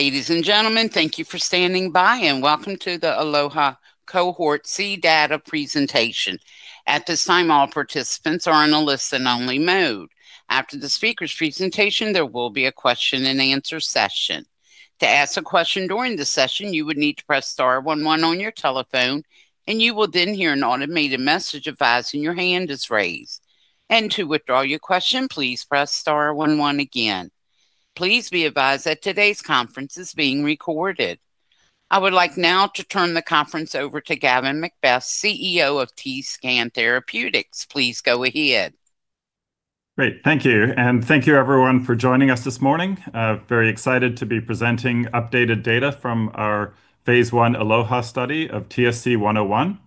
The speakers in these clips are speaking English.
Ladies and gentlemen, thank you for standing by and welcome to the ALLOHA Cohort C Data Presentation. At this time, all participants are in a listen-only mode. After the speaker's presentation, there will be a question-and-answer session. To ask a question during the session, you would need to press star one one on your telephone, and you will then hear an automated message advising your hand is raised. To withdraw your question, please press star one one again. Please be advised that today's conference is being recorded. I would like now to turn the conference over to Gavin MacBeath, CEO of TScan Therapeutics. Please go ahead. Great. Thank you. Thank you everyone for joining us this morning. Very excited to be presenting updated data from our phase I ALLOHA study of TSC-101.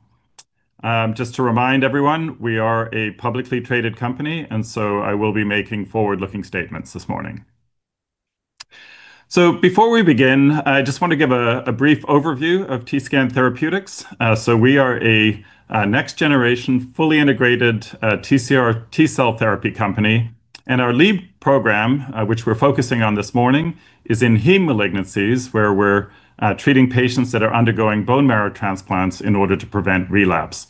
Just to remind everyone, we are a publicly traded company, I will be making forward-looking statements this morning. Before we begin, I just want to give a brief overview of TScan Therapeutics. We are a next-generation, fully integrated T-cell therapy company. Our lead program, which we're focusing on this morning, is in heme malignancies where we're treating patients that are undergoing bone marrow transplants in order to prevent relapse.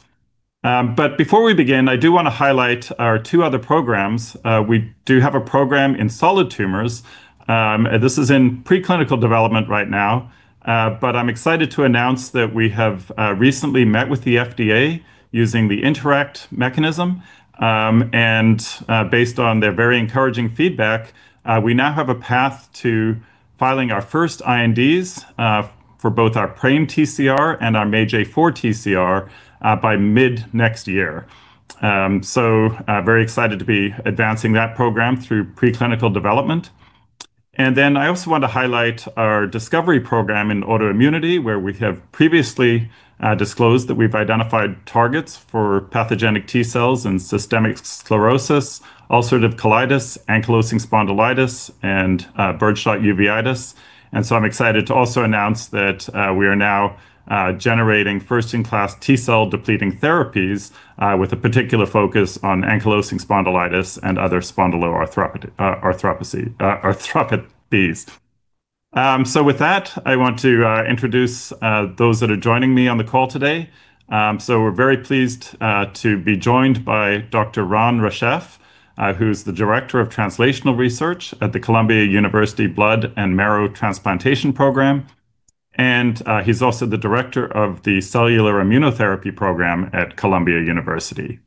Before we begin, I do want to highlight our two other programs. We do have a program in solid tumors. This is in preclinical development right now. I'm excited to announce that we have recently met with the FDA using the INTERACT mechanism. Based on their very encouraging feedback, we now have a path to filing our first INDs, for both our PREM-TCR and our MAGE-A4 TCR, by mid next year. Very excited to be advancing that program through preclinical development. I also want to highlight our discovery program in autoimmunity, where we have previously disclosed that we've identified targets for pathogenic T-cells and systemic sclerosis, ulcerative colitis, ankylosing spondylitis, and Birdshot uveitis. I'm excited to also announce that we are now generating first-in-class T-cell depleting therapies, with a particular focus on ankylosing spondylitis and other spondyloarthropathies. With that, I want to introduce those that are joining me on the call today. We're very pleased to be joined by Dr. Ran Reshef, who's the Director of Translational Research at the Columbia University Blood and Marrow Transplantation Program. He's also the Director of the Cellular Immunotherapy Program at Columbia University.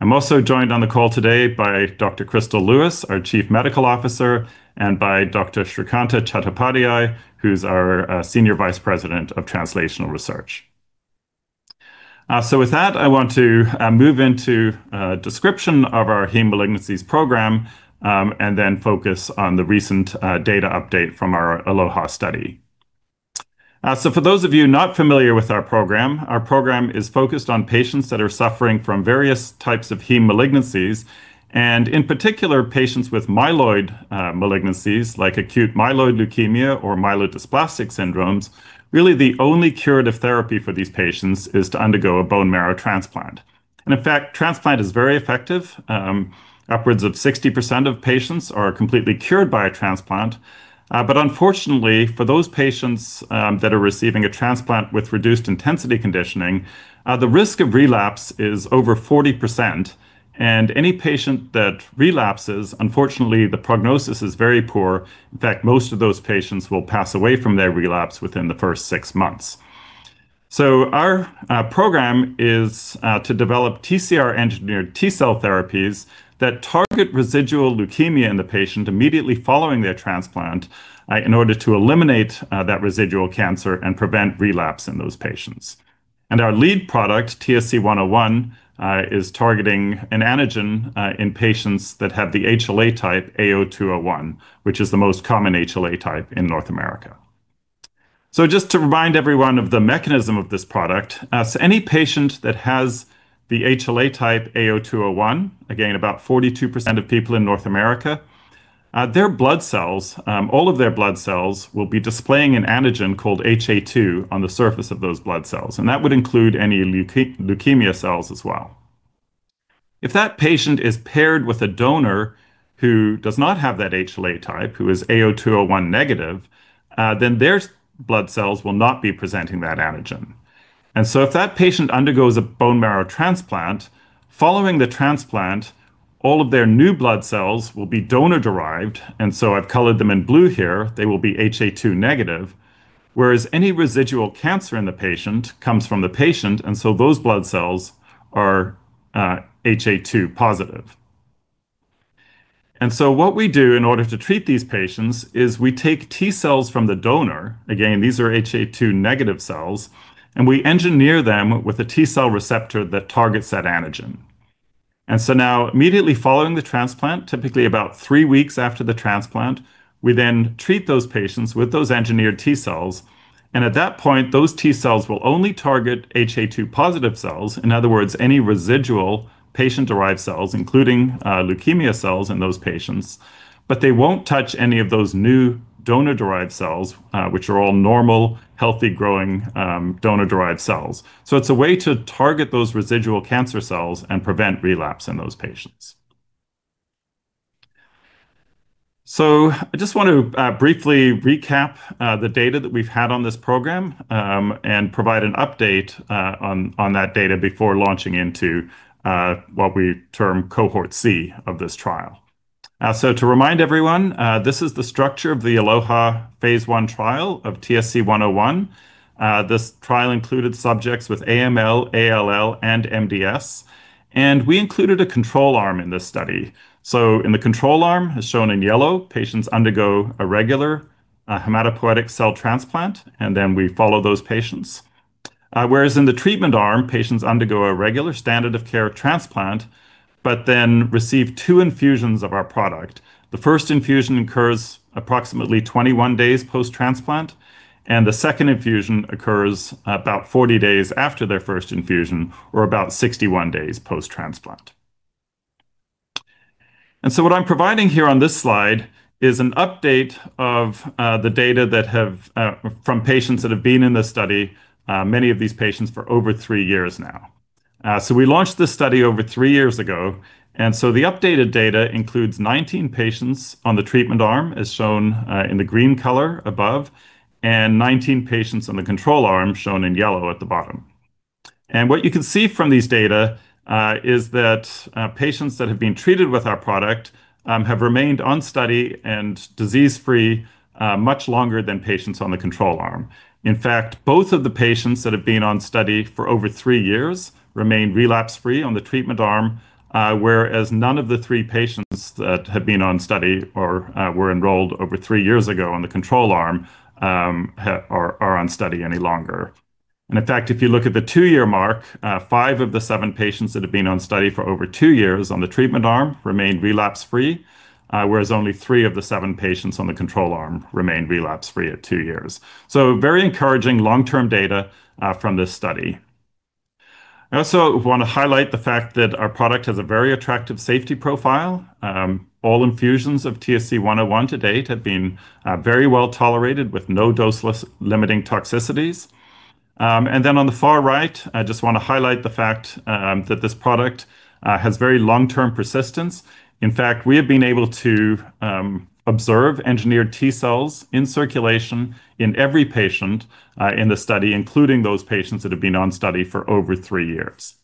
I'm also joined on the call today by Dr. Chrystal Louis, our Chief Medical Officer, and by Dr. Shrikanta Chattopadhyay, who's our Senior Vice President of Translational Research. With that, I want to move into a description of our heme malignancies program, then focus on the recent data update from our ALLOHA study. For those of you not familiar with our program, our program is focused on patients that are suffering from various types of heme malignancies, in particular, patients with myeloid malignancies like acute myeloid leukemia or myelodysplastic syndromes. Really the only curative therapy for these patients is to undergo a bone marrow transplant. In fact, transplant is very effective. Upwards of 60% of patients are completely cured by a transplant. Unfortunately for those patients that are receiving a transplant with reduced intensity conditioning, the risk of relapse is over 40%. Any patient that relapses, unfortunately the prognosis is very poor. In fact, most of those patients will pass away from their relapse within the first six months. Our program is to develop TCR engineered T cell therapies that target residual leukemia in the patient immediately following their transplant in order to eliminate that residual cancer and prevent relapse in those patients. Our lead product, TSC-101, is targeting an antigen in patients that have the HLA type A0201, which is the most common HLA type in North America. Just to remind everyone of the mechanism of this product. Any patient that has the HLA type A0201, again, about 42% of people in North America, their blood cells, all of their blood cells will be displaying an antigen called HA-2 on the surface of those blood cells, and that would include any leukemia cells as well. If that patient is paired with a donor who does not have that HLA type, who is A0201 negative, their blood cells will not be presenting that antigen. If that patient undergoes a bone marrow transplant, following the transplant, all of their new blood cells will be donor-derived, and so I've colored them in blue here. They will be HA-2 negative, whereas any residual cancer in the patient comes from the patient, and so those blood cells are HA-2 positive. What we do in order to treat these patients is we take T cells from the donor. Again, these are HA-2 negative cells, and we engineer them with a T cell receptor that targets that antigen. Immediately following the transplant, typically about three weeks after the transplant, we then treat those patients with those engineered T cells, and at that point, those T cells will only target HA-2 positive cells. In other words, any residual patient-derived cells, including leukemia cells in those patients, but they won't touch any of those new donor-derived cells, which are all normal, healthy growing, donor-derived cells. It's a way to target those residual cancer cells and prevent relapse in those patients. I just want to briefly recap the data that we've had on this program, and provide an update on that data before launching into what we term Cohort C of this trial. To remind everyone, this is the structure of the ALLOHA phase I trial of TSC-101. This trial included subjects with AML, ALL, and MDS, and we included a control arm in this study. In the control arm, as shown in yellow, patients undergo a regular hematopoietic cell transplant, and then we follow those patients. Whereas in the treatment arm, patients undergo a regular standard of care transplant, but then receive two infusions of our product. The first infusion occurs approximately 21 days post-transplant, and the second infusion occurs about 40 days after their first infusion, or about 61 days post-transplant. What I'm providing here on this slide is an update of the data from patients that have been in this study, many of these patients for over three years now. We launched this study over three years ago. The updated data includes 19 patients on the treatment arm, as shown in the green color above, and 19 patients on the control arm, shown in yellow at the bottom. What you can see from these data is that patients that have been treated with our product have remained on study and disease-free much longer than patients on the control arm. In fact, both of the patients that have been on study for over three years remain relapse-free on the treatment arm, whereas none of the three patients that have been on study or were enrolled over three years ago on the control arm are on study any longer. In fact, if you look at the two-year mark, five of the seven patients that have been on study for over two years on the treatment arm remain relapse free, whereas only three of the seven patients on the control arm remain relapse free at two years. Very encouraging long-term data from this study. I also want to highlight the fact that our product has a very attractive safety profile. All infusions of TSC-101 to date have been very well tolerated with no dose-limiting toxicities. On the far right, I just want to highlight the fact that this product has very long-term persistence. In fact, we have been able to observe engineered T cells in circulation in every patient in the study, including those patients that have been on study for over three years.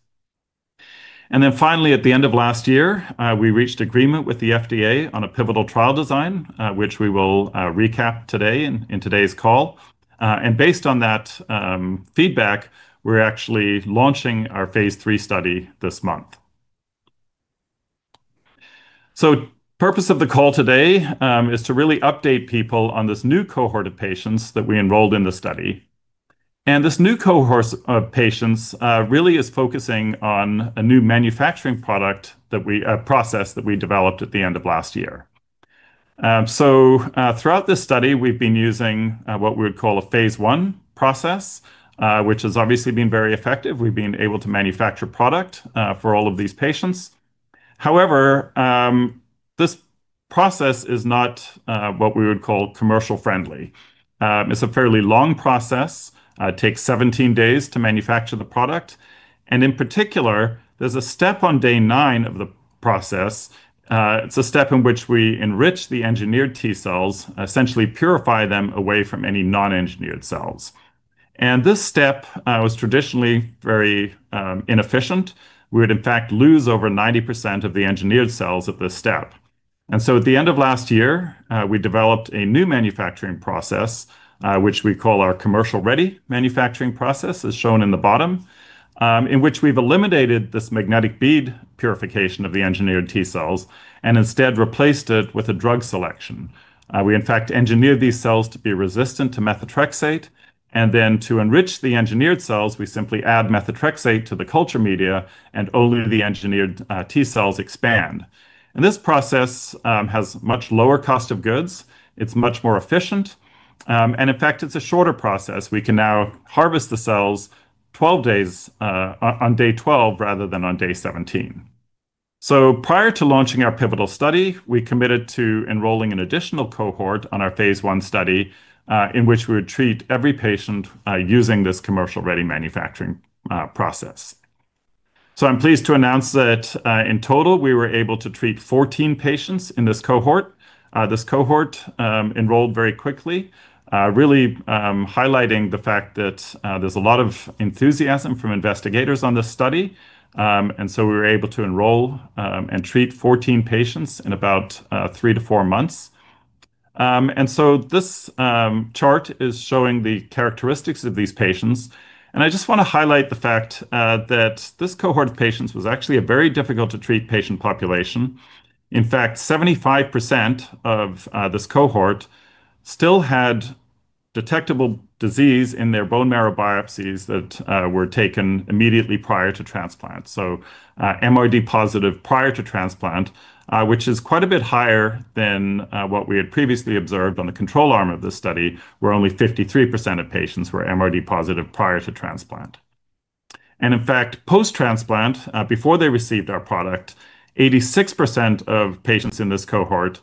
Finally, at the end of last year, we reached agreement with the FDA on a pivotal trial design, which we will recap today in today's call. Based on that feedback, we're actually launching our phase III study this month. Purpose of the call today is to really update people on this new cohort of patients that we enrolled in the study. This new cohort of patients really is focusing on a new manufacturing process that we developed at the end of last year. Throughout this study, we've been using what we would call a phase I process, which has obviously been very effective. We've been able to manufacture product for all of these patients. However, this process is not what we would call commercial friendly. It's a fairly long process, takes 17 days to manufacture the product. In particular, there's a step on day nine of the process. It's a step in which we enrich the engineered T cells, essentially purify them away from any non-engineered cells. This step was traditionally very inefficient. We would, in fact, lose over 90% of the engineered cells at this step. At the end of last year, we developed a new manufacturing process, which we call our commercial-ready manufacturing process, as shown in the bottom, in which we've eliminated this magnetic bead purification of the engineered T cells and instead replaced it with a drug selection. We, in fact, engineered these cells to be resistant to methotrexate, then to enrich the engineered cells, we simply add methotrexate to the culture media, and only the engineered T cells expand. This process has much lower cost of goods. It's much more efficient. In fact, it's a shorter process. We can now harvest the cells on day 12 rather than on day 17. Prior to launching our pivotal study, we committed to enrolling an additional cohort on our phase I study, in which we would treat every patient using this commercial-ready manufacturing process. I'm pleased to announce that in total, we were able to treat 14 patients in this cohort. This cohort enrolled very quickly, really highlighting the fact that there's a lot of enthusiasm from investigators on this study. We were able to enroll and treat 14 patients in about three to four months. This chart is showing the characteristics of these patients. I just want to highlight the fact that this cohort of patients was actually a very difficult to treat patient population. In fact, 75% of this cohort still had detectable disease in their bone marrow biopsies that were taken immediately prior to transplant. MRD positive prior to transplant, which is quite a bit higher than what we had previously observed on the control arm of this study, where only 53% of patients were MRD positive prior to transplant. In fact, post-transplant, before they received our product, 86% of patients in this cohort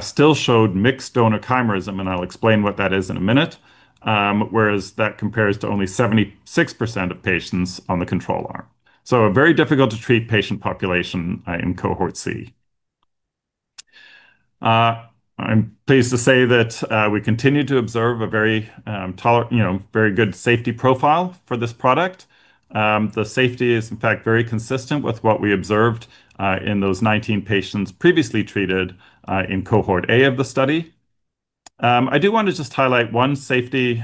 still showed mixed donor chimerism, and I'll explain what that is in a minute, whereas that compares to only 76% of patients on the control arm. A very difficult to treat patient population in Cohort C. I'm pleased to say that we continue to observe a very good safety profile for this product. The safety is, in fact, very consistent with what we observed in those 19 patients previously treated in Cohort A of the study. I do want to just highlight one safety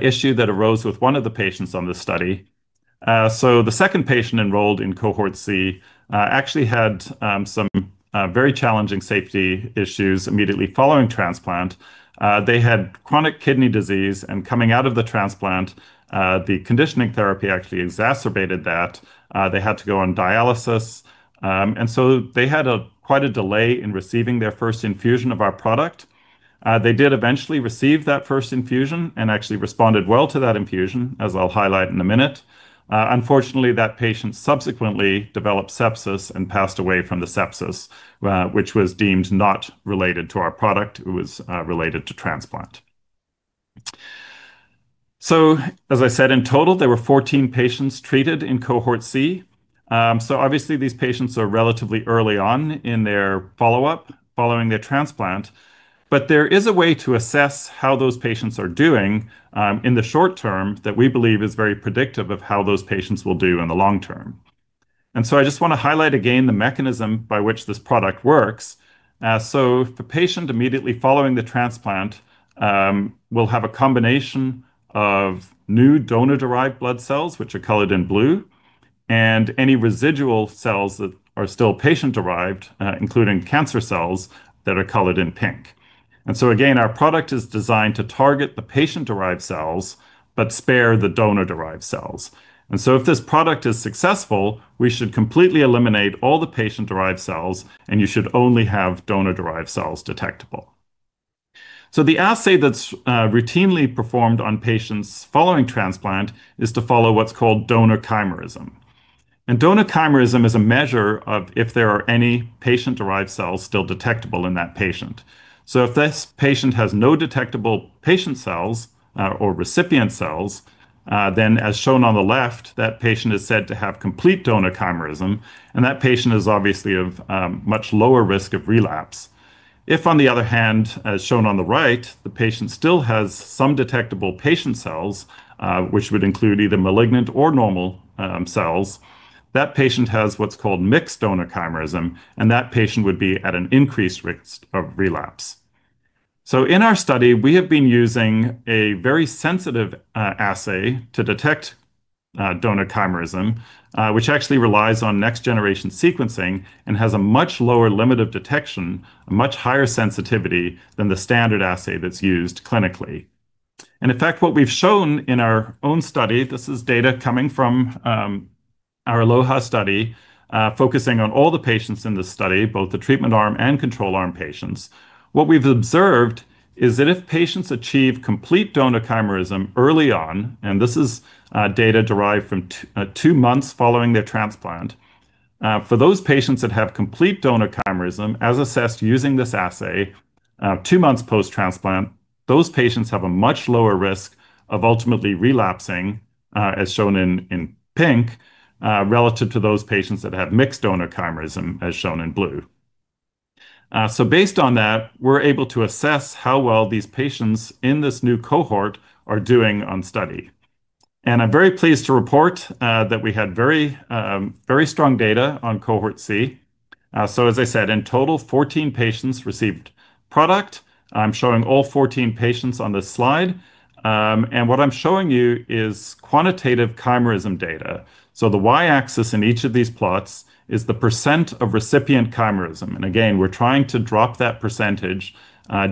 issue that arose with one of the patients on this study. The second patient enrolled in Cohort C actually had some very challenging safety issues immediately following transplant. They had chronic kidney disease, and coming out of the transplant, the conditioning therapy actually exacerbated that. They had to go on dialysis. They had quite a delay in receiving their first infusion of our product. They did eventually receive that first infusion and actually responded well to that infusion, as I'll highlight in a minute. Unfortunately, that patient subsequently developed sepsis and passed away from the sepsis, which was deemed not related to our product. It was related to transplant. As I said, in total, there were 14 patients treated in Cohort C. Obviously, these patients are relatively early on in their follow-up following their transplant. There is a way to assess how those patients are doing in the short term that we believe is very predictive of how those patients will do in the long term. I just want to highlight again the mechanism by which this product works. The patient immediately following the transplant will have a combination of new donor-derived blood cells, which are colored in blue, and any residual cells that are still patient-derived, including cancer cells, that are colored in pink. Again, our product is designed to target the patient-derived cells but spare the donor-derived cells. If this product is successful, we should completely eliminate all the patient-derived cells, and you should only have donor-derived cells detectable. The assay that's routinely performed on patients following transplant is to follow what's called donor chimerism. Donor chimerism is a measure of if there are any patient-derived cells still detectable in that patient. If this patient has no detectable patient cells or recipient cells, then as shown on the left, that patient is said to have complete donor chimerism, and that patient is obviously of much lower risk of relapse. If, on the other hand, as shown on the right, the patient still has some detectable patient cells, which would include either malignant or normal cells, that patient has what's called mixed donor chimerism, and that patient would be at an increased risk of relapse. In our study, we have been using a very sensitive assay to detect donor chimerism, which actually relies on next-generation sequencing and has a much lower limit of detection, a much higher sensitivity than the standard assay that's used clinically. In fact, what we've shown in our own study, this is data coming from our ALLOHA study focusing on all the patients in the study, both the treatment arm and control arm patients. What we've observed is that if patients achieve complete donor chimerism early on, and this is data derived from two months following their transplant, for those patients that have complete donor chimerism as assessed using this assay two months post-transplant, those patients have a much lower risk of ultimately relapsing, as shown in pink, relative to those patients that have mixed donor chimerism, as shown in blue. Based on that, we're able to assess how well these patients in this new cohort are doing on study. I'm very pleased to report that we had very strong data on cohort C. As I said, in total, 14 patients received product. I'm showing all 14 patients on this slide. What I'm showing you is quantitative chimerism data. The y-axis in each of these plots is the percent of recipient chimerism. Again, we're trying to drop that percentage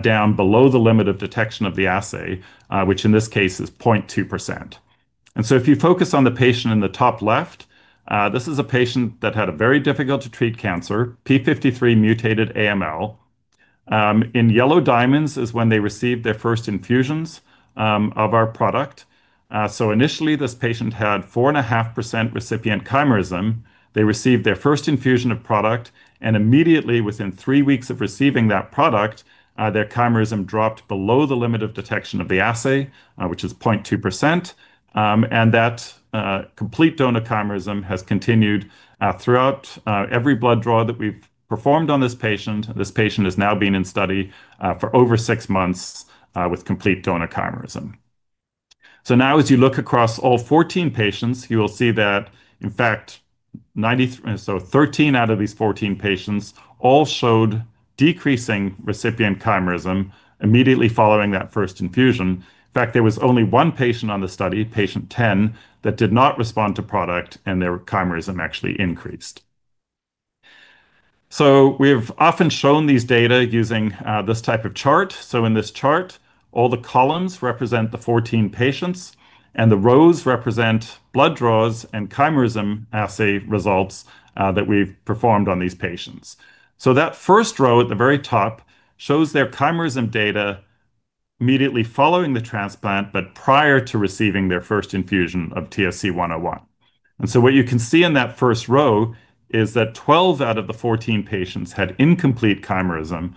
down below the limit of detection of the assay, which in this case is 0.2%. If you focus on the patient in the top left, this is a patient that had a very difficult to treat cancer, TP53 mutated AML. In yellow diamonds is when they received their first infusions of our product. Initially, this patient had 4.5% recipient chimerism. They received their first infusion of product, immediately within three weeks of receiving that product, their chimerism dropped below the limit of detection of the assay, which is 0.2%. That complete donor chimerism has continued throughout every blood draw that we've performed on this patient. This patient has now been in study for over six months with complete donor chimerism. Now as you look across all 14 patients, you will see that, in fact, 13 out of these 14 patients all showed decreasing recipient chimerism immediately following that first infusion. In fact, there was only one patient on the study, patient 10, that did not respond to product, their chimerism actually increased. We've often shown these data using this type of chart. In this chart, all the columns represent the 14 patients, the rows represent blood draws and chimerism assay results that we've performed on these patients. That first row at the very top shows their chimerism data immediately following the transplant but prior to receiving their first infusion of TSC-101. What you can see in that first row is that 12 out of the 14 patients had incomplete chimerism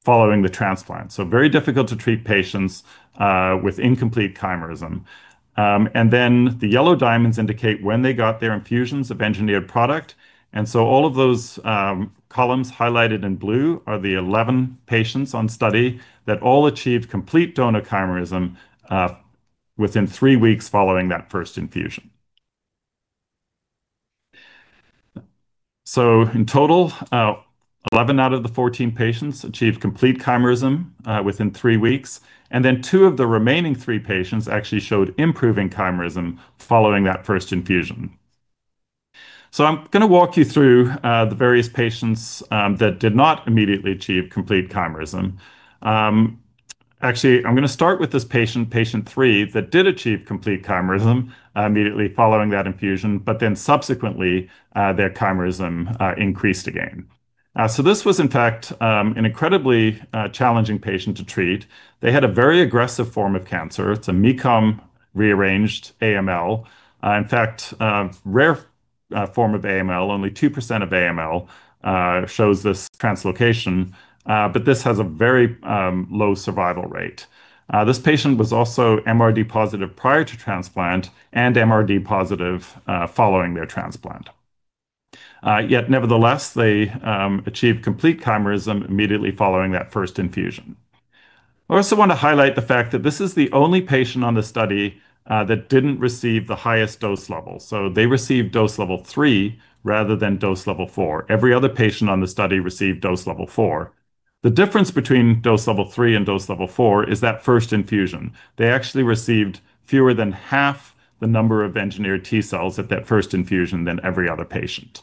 following the transplant. Very difficult to treat patients with incomplete chimerism. The yellow diamonds indicate when they got their infusions of engineered product. All of those columns highlighted in blue are the 11 patients on study that all achieved complete donor chimerism within three weeks following that first infusion. In total, 11 out of the 14 patients achieved complete chimerism within three weeks. Two of the remaining three patients actually showed improving chimerism following that first infusion. I'm going to walk you through the various patients that did not immediately achieve complete chimerism. I'm going to start with this patient three, that did achieve complete chimerism immediately following that infusion, but subsequently, their chimerism increased again. This was in fact an incredibly challenging patient to treat. They had a very aggressive form of cancer. It's a MECOM rearranged AML. In fact, rare form of AML, only 2% of AML shows this translocation, but this has a very low survival rate. This patient was also MRD positive prior to transplant and MRD positive following their transplant. Nevertheless, they achieved complete chimerism immediately following that first infusion. I also want to highlight the fact that this is the only patient on the study that didn't receive the highest dose level. They received dose level three rather than dose level four. Every other patient on the study received dose level four. The difference between dose level three and dose level four is that first infusion. They actually received fewer than half the number of engineered T cells at that first infusion than every other patient.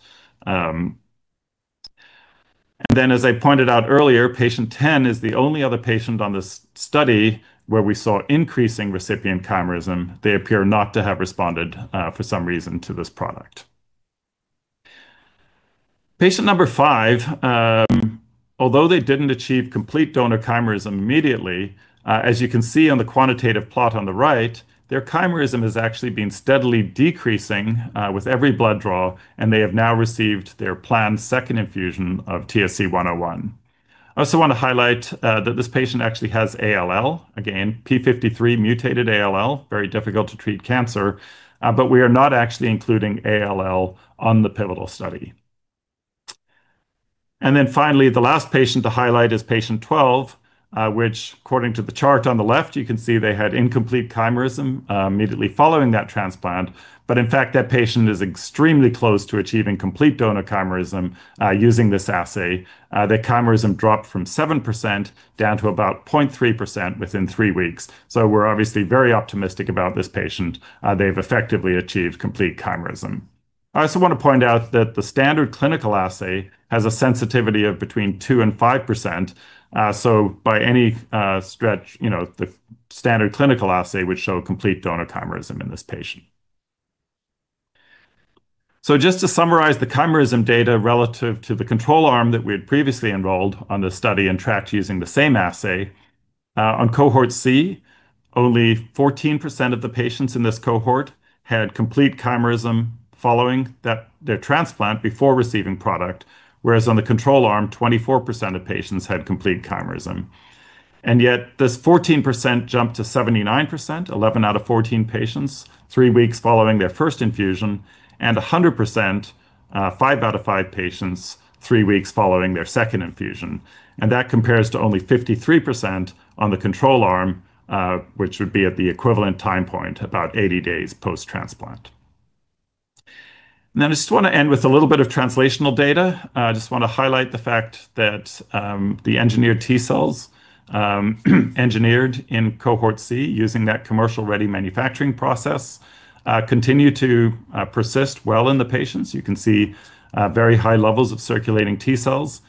As I pointed out earlier, patient 10 is the only other patient on this study where we saw increasing recipient chimerism. They appear not to have responded, for some reason, to this product. Patient number five, although they didn't achieve complete donor chimerism immediately, as you can see on the quantitative plot on the right, their chimerism has actually been steadily decreasing with every blood draw. They have now received their planned second infusion of TSC-101. I also want to highlight that this patient actually has ALL, again, TP53 mutated ALL, very difficult to treat cancer, but we are not actually including ALL on the pivotal study. Finally, the last patient to highlight is patient 12, which according to the chart on the left, you can see they had incomplete chimerism immediately following that transplant. In fact, that patient is extremely close to achieving complete donor chimerism using this assay. Their chimerism dropped from 7% down to about 0.3% within three weeks. We're obviously very optimistic about this patient. They've effectively achieved complete chimerism. I also want to point out that the standard clinical assay has a sensitivity of between 2% and 5%. By any stretch, the standard clinical assay would show complete donor chimerism in this patient. Just to summarize the chimerism data relative to the control arm that we had previously enrolled on this study and tracked using the same assay, on Cohort C, only 14% of the patients in this cohort had complete chimerism following their transplant before receiving product, whereas on the control arm, 24% of patients had complete chimerism. Yet this 14% jumped to 79%, 11 out of 14 patients, three weeks following their first infusion, and 100%, five out of five patients, three weeks following their second infusion. That compares to only 53% on the control arm, which would be at the equivalent time point, about 80 days post-transplant. Then I just want to end with a little bit of translational data. I just want to highlight the fact that the engineered T cells, engineered in Cohort C using that commercial-ready manufacturing process, continue to persist well in the patients. You can see very high levels of circulating T cells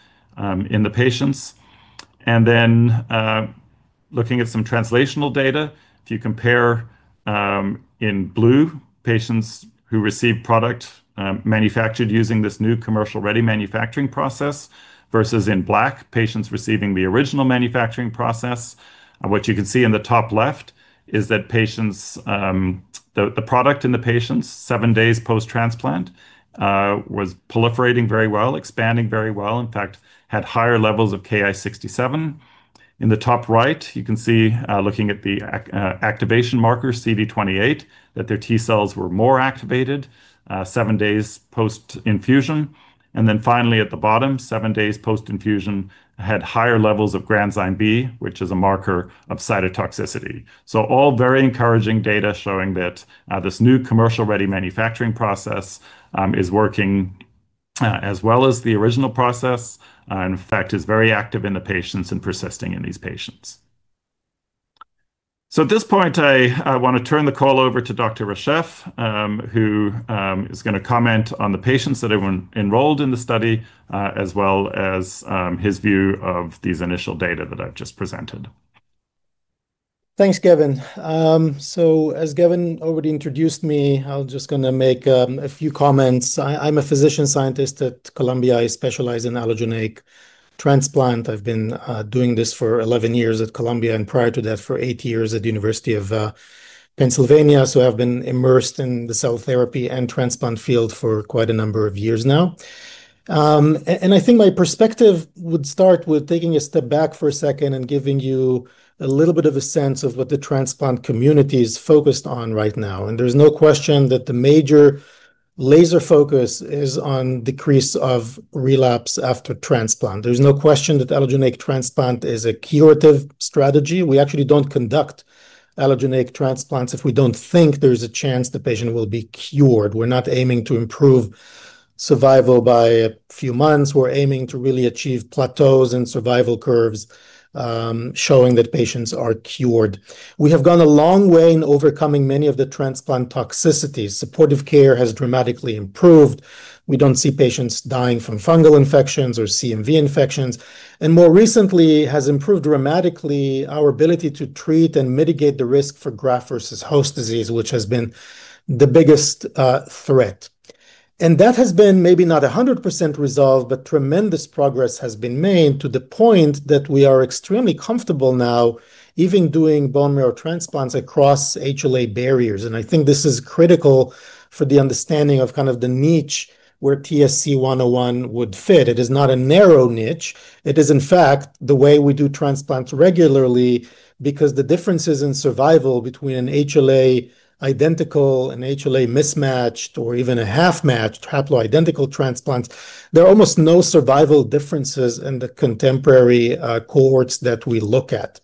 in the patients. Then, looking at some translational data, if you compare in blue patients who receive product manufactured using this new commercial-ready manufacturing process versus in black patients receiving the original manufacturing process, what you can see in the top left is that the product in the patients seven days post-transplant was proliferating very well, expanding very well, in fact, had higher levels of Ki-67. In the top right, you can see, looking at the activation marker CD28, that their T cells were more activated seven days post-infusion. Finally at the bottom, seven days post-infusion had higher levels of granzyme B, which is a marker of cytotoxicity. All very encouraging data showing that this new commercial-ready manufacturing process is working as well as the original process, in fact, is very active in the patients and persisting in these patients. At this point, I want to turn the call over to Dr. Reshef, who is going to comment on the patients that have been enrolled in the study, as well as his view of these initial data that I've just presented. Thanks, Gavin. As Gavin already introduced me, I'm just going to make a few comments. I'm a Physician Scientist at Columbia. I specialize in allogeneic transplant. I've been doing this for 11 years at Columbia, and prior to that for eight years at the University of Pennsylvania. I've been immersed in the cell therapy and transplant field for quite a number of years now. I think my perspective would start with taking a step back for a second and giving you a little bit of a sense of what the transplant community is focused on right now. There's no question that the major laser focus is on decrease of relapse after transplant. There's no question that allogeneic transplant is a curative strategy. We actually don't conduct allogeneic transplants if we don't think there's a chance the patient will be cured. We're not aiming to improve survival by a few months. We're aiming to really achieve plateaus in survival curves, showing that patients are cured. We have gone a long way in overcoming many of the transplant toxicities. Supportive care has dramatically improved. We don't see patients dying from fungal infections or CMV infections, and more recently has improved dramatically our ability to treat and mitigate the risk for graft versus host disease, which has been the biggest threat. That has been maybe not 100% resolved, but tremendous progress has been made to the point that we are extremely comfortable now even doing bone marrow transplants across HLA barriers, and I think this is critical for the understanding of kind of the niche where TSC-101 would fit. It is not a narrow niche. It is, in fact, the way we do transplants regularly because the differences in survival between an HLA identical, an HLA mismatched, or even a half-matched haploidentical transplant, there are almost no survival differences in the contemporary cohorts that we look at.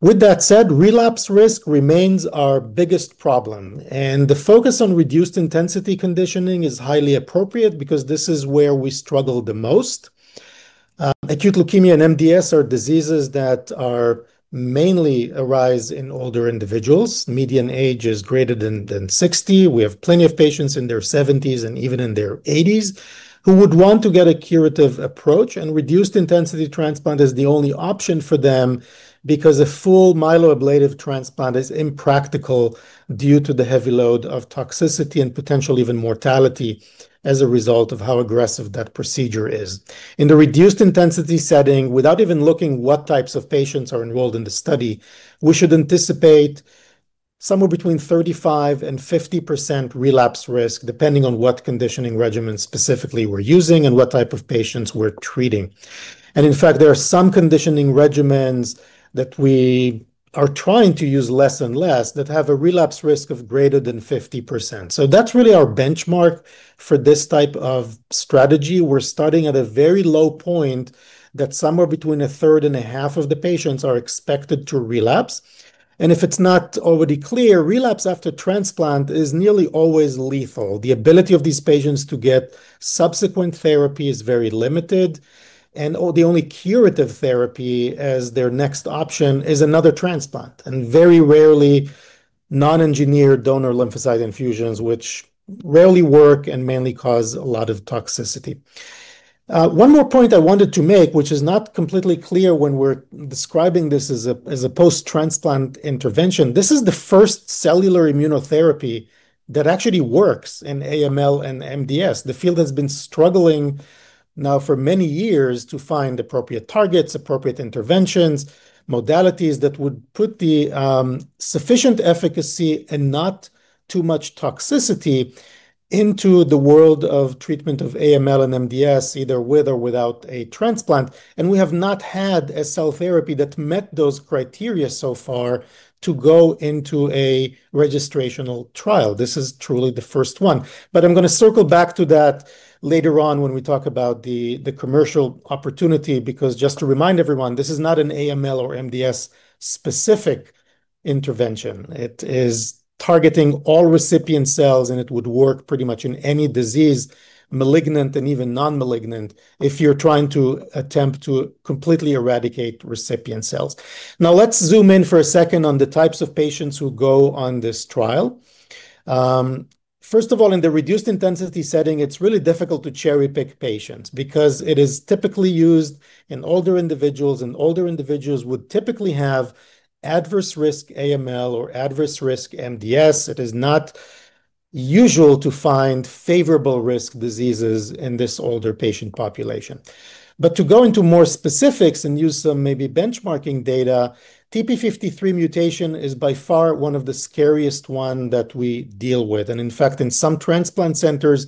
With that said, relapse risk remains our biggest problem, and the focus on reduced intensity conditioning is highly appropriate because this is where we struggle the most. Acute leukemia and MDS are diseases that mainly arise in older individuals. Median age is greater than 60. We have plenty of patients in their 70s and even in their 80s who would want to get a curative approach, and reduced intensity transplant is the only option for them because a full myeloablative transplant is impractical due to the heavy load of toxicity and potential even mortality as a result of how aggressive that procedure is. In the reduced intensity setting, without even looking what types of patients are enrolled in the study, we should anticipate somewhere between 35%-50% relapse risk, depending on what conditioning regimen specifically we're using and what type of patients we're treating. In fact, there are some conditioning regimens that we are trying to use less and less that have a relapse risk of greater than 50%. That's really our benchmark for this type of strategy. We're starting at a very low point that somewhere between 1/3 and a half of the patients are expected to relapse. If it's not already clear, relapse after transplant is nearly always lethal. The ability of these patients to get subsequent therapy is very limited, and the only curative therapy as their next option is another transplant, and very rarely non-engineered donor lymphocyte infusions, which rarely work and mainly cause a lot of toxicity. One more point I wanted to make, which is not completely clear when we're describing this as a post-transplant intervention, this is the first cellular immunotherapy that actually works in AML and MDS. The field has been struggling now for many years to find appropriate targets, appropriate interventions, modalities that would put the sufficient efficacy and not too much toxicity into the world of treatment of AML and MDS, either with or without a transplant, and we have not had a cell therapy that met those criteria so far to go into a registrational trial. This is truly the first one. I'm going to circle back to that later on when we talk about the commercial opportunity, because just to remind everyone, this is not an AML or MDS-specific intervention. It is targeting all recipient cells, and it would work pretty much in any disease, malignant and even non-malignant, if you're trying to attempt to completely eradicate recipient cells. Let's zoom in for a second on the types of patients who go on this trial. First of all, in the reduced intensity setting, it is really difficult to cherry-pick patients because it is typically used in older individuals, and older individuals would typically have adverse risk AML or adverse risk MDS. It is not usual to find favorable risk diseases in this older patient population. To go into more specifics and use some maybe benchmarking data, TP53 mutation is by far one of the scariest one that we deal with. In fact, in some transplant centers,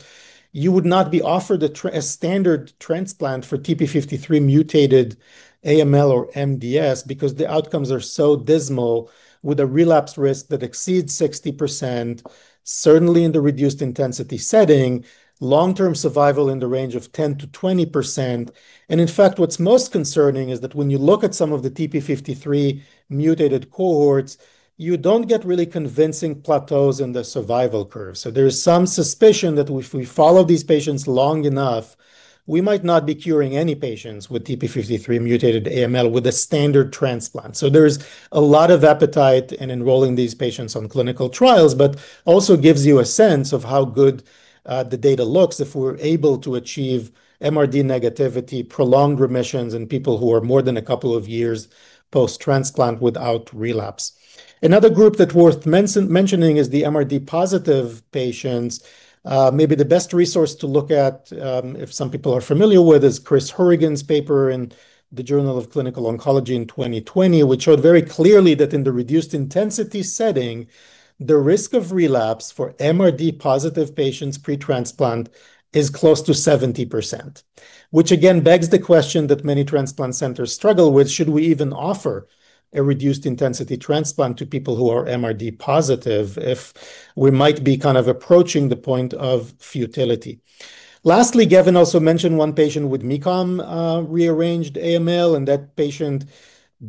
you would not be offered a standard transplant for TP53 mutated AML or MDS because the outcomes are so dismal with a relapse risk that exceeds 60%, certainly in the reduced intensity setting, long-term survival in the range of 10%-20%. In fact, what's most concerning is that when you look at some of the TP53 mutated cohorts, you don't get really convincing plateaus in the survival curve. There is some suspicion that if we follow these patients long enough, we might not be curing any patients with TP53 mutated AML with a standard transplant. There's a lot of appetite in enrolling these patients on clinical trials, but also gives you a sense of how good the data looks if we're able to achieve MRD negativity, prolonged remissions in people who are more than a couple of years post-transplant without relapse. Another group that's worth mentioning is the MRD positive patients. Maybe the best resource to look at, if some people are familiar with, is Chris Hourigan's paper in the Journal of Clinical Oncology in 2020, which showed very clearly that in the reduced intensity setting, the risk of relapse for MRD positive patients pre-transplant is close to 70%. Which again begs the question that many transplant centers struggle with, should we even offer a reduced intensity transplant to people who are MRD positive if we might be kind of approaching the point of futility. Lastly, Gavin also mentioned one patient with MECOM rearranged AML, and that patient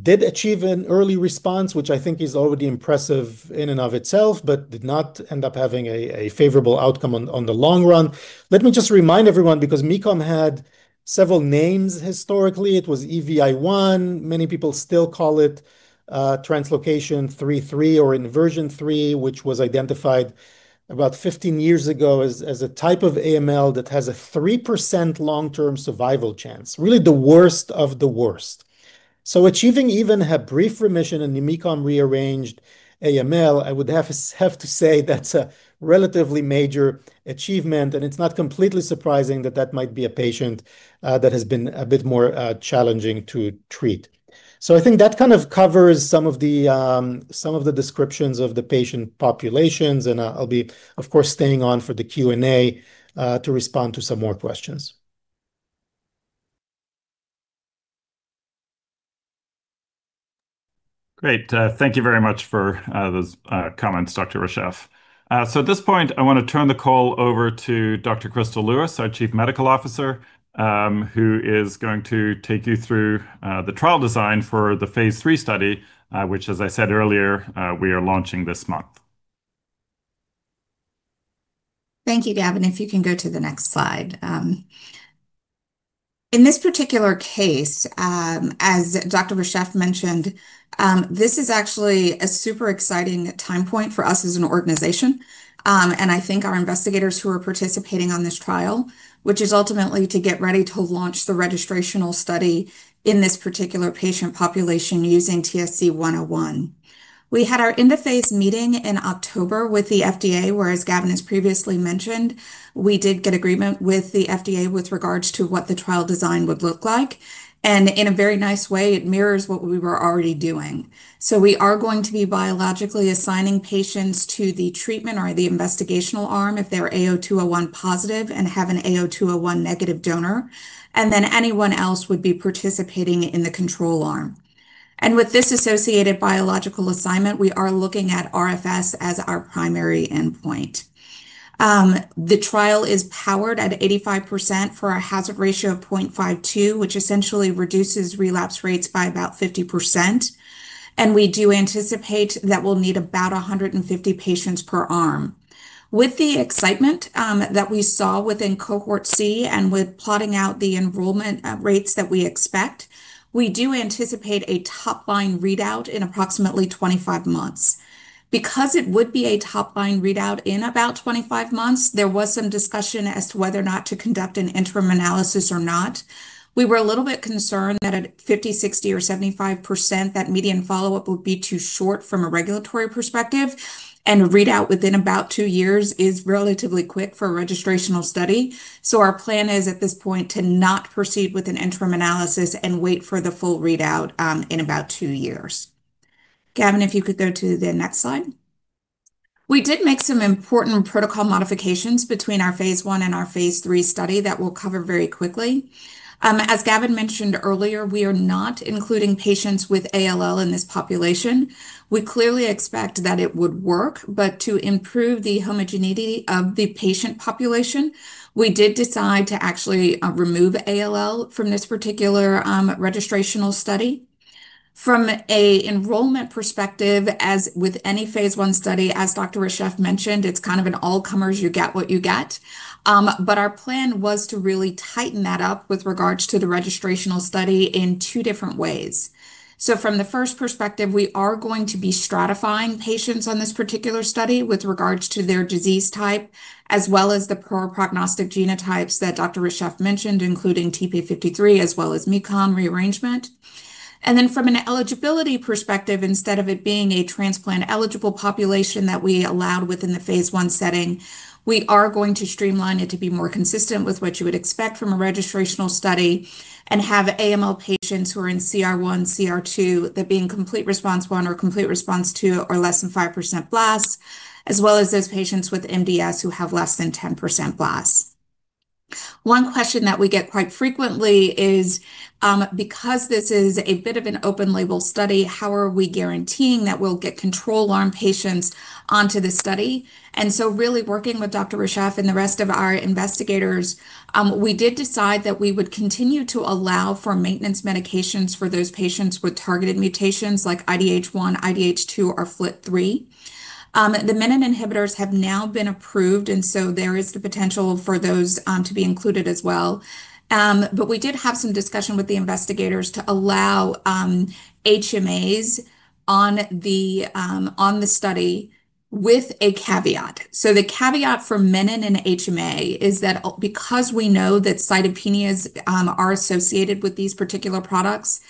did achieve an early response, which I think is already impressive in and of itself, but did not end up having a favorable outcome on the long run. Let me just remind everyone, because MECOM had several names historically. It was EVI1. Many people still call it Translocation (3;3) or Inversion (3), which was identified about 15 years ago as a type of AML that has a 3% long-term survival chance. Really, the worst of the worst. Achieving even a brief remission in the MECOM rearranged AML, I would have to say that's a relatively major achievement, and it's not completely surprising that that might be a patient that has been a bit more challenging to treat. I think that kind of covers some of the descriptions of the patient populations, and I'll be, of course, staying on for the Q&A to respond to some more questions. Great. Thank you very much for those comments, Dr. Reshef. At this point, I want to turn the call over to Dr. Chrystal Louis, our Chief Medical Officer, who is going to take you through the trial design for the phase III study, which as I said earlier, we are launching this month. Thank you, Gavin. If you can go to the next slide. In this particular case, as Dr. Reshef mentioned, this is actually a super exciting time point for us as an organization, and I think our investigators who are participating on this trial, which is ultimately to get ready to launch the registrational study in this particular patient population using TSC-101. We had our end-of-phase meeting in October with the FDA, where, as Gavin has previously mentioned, we did get agreement with the FDA with regards to what the trial design would look like, and in a very nice way, it mirrors what we were already doing. We are going to be biologically assigning patients to the treatment or the investigational arm if they're A0201 positive and have an A0201 negative donor, and then anyone else would be participating in the control arm. With this associated biological assignment, we are looking at RFS as our primary endpoint. The trial is powered at 85% for a hazard ratio of 0.52, which essentially reduces relapse rates by about 50%, and we do anticipate that we'll need about 150 patients per arm. With the excitement that we saw within Cohort C and with plotting out the enrollment rates that we expect, we do anticipate a top-line readout in approximately 25 months. Because it would be a top-line readout in about 25 months, there was some discussion as to whether or not to conduct an interim analysis or not. We were a little bit concerned that at 50%, 60%, or 75%, that median follow-up would be too short from a regulatory perspective, and readout within about two years is relatively quick for a registrational study. Our plan is, at this point, to not proceed with an interim analysis and wait for the full readout in about two years. Gavin, if you could go to the next slide. We did make some important protocol modifications between our phase I and our phase III study that we will cover very quickly. As Gavin mentioned earlier, we are not including patients with ALL in this population. We clearly expect that it would work, but to improve the homogeneity of the patient population, we did decide to actually remove ALL from this particular registrational study. From an enrollment perspective, as with any phase I study, as Dr. Reshef mentioned, it is kind of an all comers, you get what you get. Our plan was to really tighten that up with regards to the registrational study in two different ways. From the first perspective, we are going to be stratifying patients on this particular study with regards to their disease type, as well as the poor prognostic genotypes that Dr. Reshef mentioned, including TP53 as well as MECOM rearrangement. From an eligibility perspective, instead of it being a transplant-eligible population that we allowed within the phase I setting, we are going to streamline it to be more consistent with what you would expect from a registrational study and have AML patients who are in CR1, CR2, that being complete response I or complete response II or less than 5% blasts, as well as those patients with MDS who have less than 10% blasts. One question that we get quite frequently is, because this is a bit of an open label study, how are we guaranteeing that we will get control arm patients onto the study? Really working with Dr. Reshef and the rest of our investigators, we did decide that we would continue to allow for maintenance medications for those patients with targeted mutations like IDH1, IDH2, or FLT3. The menin inhibitors have now been approved, there is the potential for those to be included as well. We did have some discussion with the investigators to allow HMAs on the study with a caveat. The caveat for menin and HMA is that because we know that cytopenias are associated with these particular products,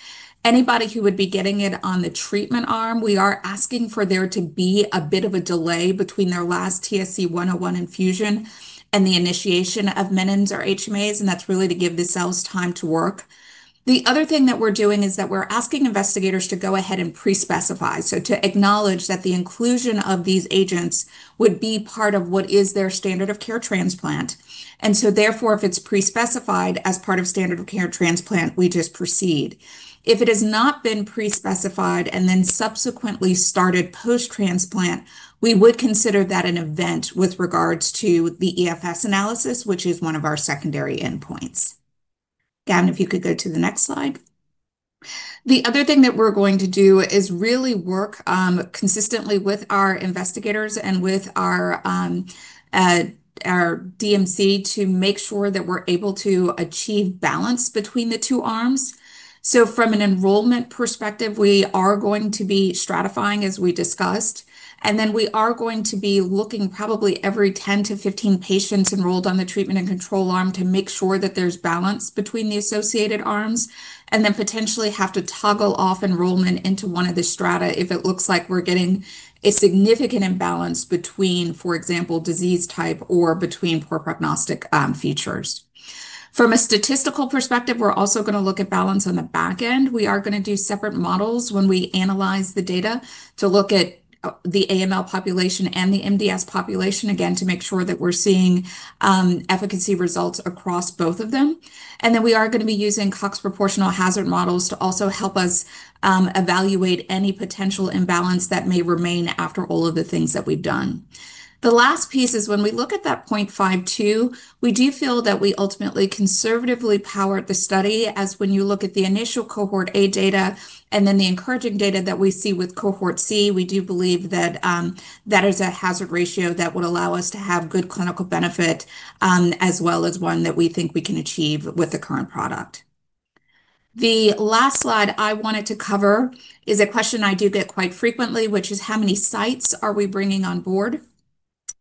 anybody who would be getting it on the treatment arm, we are asking for there to be a bit of a delay between their last TSC-101 infusion and the initiation of menin or HMAs, and that is really to give the cells time to work. The other thing that we are doing is that we are asking investigators to go ahead and pre-specify, to acknowledge that the inclusion of these agents would be part of what is their standard of care transplant. If it is pre-specified as part of standard of care transplant, we just proceed. If it has not been pre-specified and then subsequently started post-transplant, we would consider that an event with regards to the EFS analysis, which is one of our secondary endpoints. Gavin, if you could go to the next slide. The other thing that we are going to do is really work consistently with our investigators and with our DMC to make sure that we are able to achieve balance between the two arms. From an enrollment perspective, we are going to be stratifying, as we discussed, then we are going to be looking probably every 10-15 patients enrolled on the treatment and control arm to make sure that there's balance between the associated arms, and then potentially have to toggle off enrollment into one of the strata if it looks like we're getting a significant imbalance between, for example, disease type or between poor prognostic features. From a statistical perspective, we're also going to look at balance on the back end. We are going to do separate models when we analyze the data to look at the AML population and the MDS population, again, to make sure that we're seeing efficacy results across both of them. We are going to be using Cox proportional hazards models to also help us evaluate any potential imbalance that may remain after all of the things that we've done. The last piece is when we look at that 0.52, we do feel that we ultimately conservatively powered the study, as when you look at the initial Cohort A data and then the encouraging data that we see with Cohort C, we do believe that that is a hazard ratio that would allow us to have good clinical benefit, as well as one that we think we can achieve with the current product. The last slide I wanted to cover is a question I do get quite frequently, which is how many sites are we bringing on board?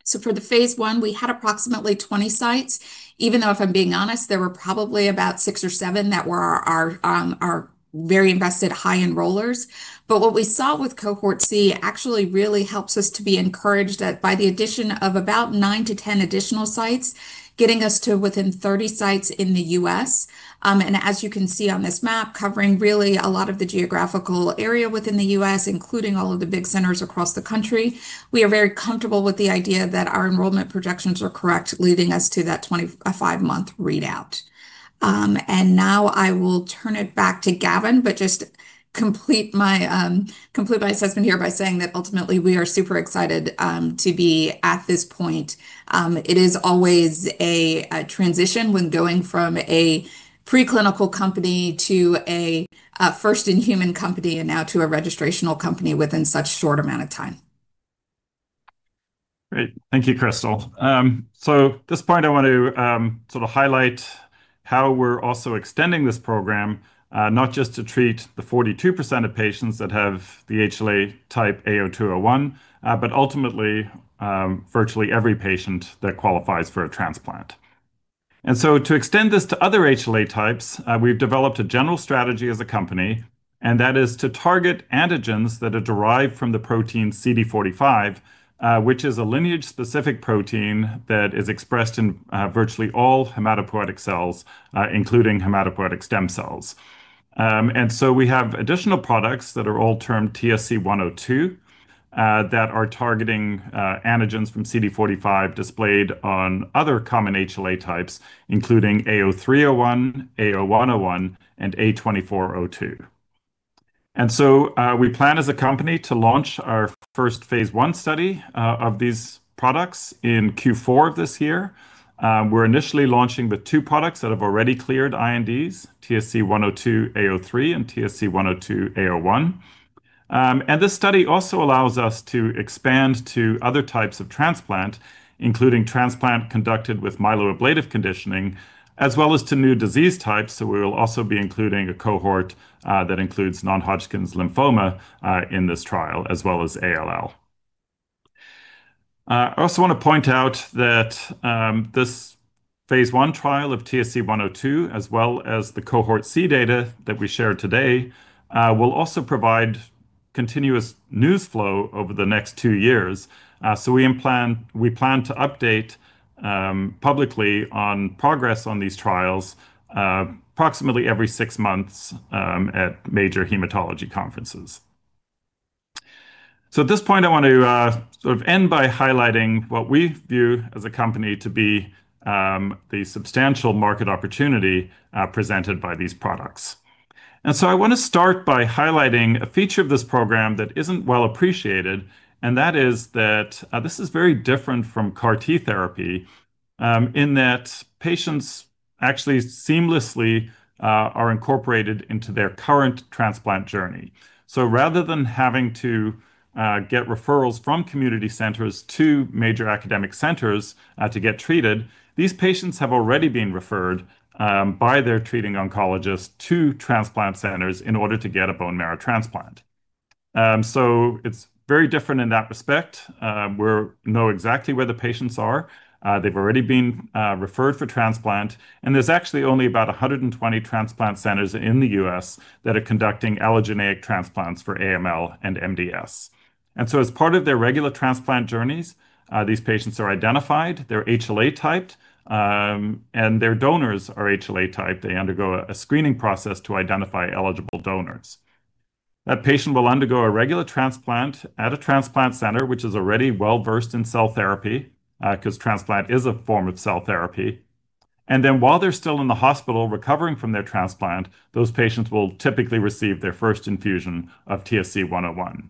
For the phase I, we had approximately 20 sites, even though, if I'm being honest, there were probably about six or seven that were our very invested high enrollers. What we saw with Cohort C actually really helps us to be encouraged that by the addition of about 9-10 additional sites, getting us to within 30 sites in the U.S. As you can see on this map, covering really a lot of the geographical area within the U.S., including all of the big centers across the country. We are very comfortable with the idea that our enrollment projections are correct, leading us to that 25-month readout. I will turn it back to Gavin, just complete my assessment here by saying that ultimately we are super excited to be at this point. It is always a transition when going from a preclinical company to a first in human company, to a registrational company within such short amount of time. Great. Thank you, Chrystal. At this point, I want to highlight how we're also extending this program, not just to treat the 42% of patients that have the HLA type A0201, but ultimately, virtually every patient that qualifies for a transplant. To extend this to other HLA types, we've developed a general strategy as a company, and that is to target antigens that are derived from the protein CD45, which is a lineage-specific protein that is expressed in virtually all hematopoietic cells, including hematopoietic stem cells. We have additional products that are all termed TSC-102, that are targeting antigens from CD45 displayed on other common HLA types, including A0301, A0101, and A2402. We plan as a company to launch our first phase I study of these products in Q4 of this year. We're initially launching with two products that have already cleared INDs, TSC-102-A03 and TSC-102-A01. This study also allows us to expand to other types of transplant, including transplant conducted with myeloablative conditioning, as well as to new disease types. We will also be including a cohort that includes non-Hodgkin lymphoma in this trial, as well as ALL. I also want to point out that this phase I trial of TSC-102, as well as the Cohort C data that we shared today, will also provide continuous news flow over the next two years. We plan to update publicly on progress on these trials approximately every six months at major hematology conferences. At this point, I want to end by highlighting what we view as a company to be the substantial market opportunity presented by these products. I want to start by highlighting a feature of this program that isn't well appreciated, and that is that this is very different from CAR T therapy, in that patients actually seamlessly are incorporated into their current transplant journey. Rather than having to get referrals from community centers to major academic centers to get treated, these patients have already been referred by their treating oncologist to transplant centers in order to get a bone marrow transplant. It's very different in that respect. We know exactly where the patients are. They've already been referred for transplant, and there's actually only about 120 transplant centers in the U.S. that are conducting allogeneic transplants for AML and MDS. As part of their regular transplant journeys, these patients are identified, they're HLA typed, and their donors are HLA typed. They undergo a screening process to identify eligible donors. That patient will undergo a regular transplant at a transplant center, which is already well-versed in cell therapy, because transplant is a form of cell therapy. While they're still in the hospital recovering from their transplant, those patients will typically receive their first infusion of TSC-101.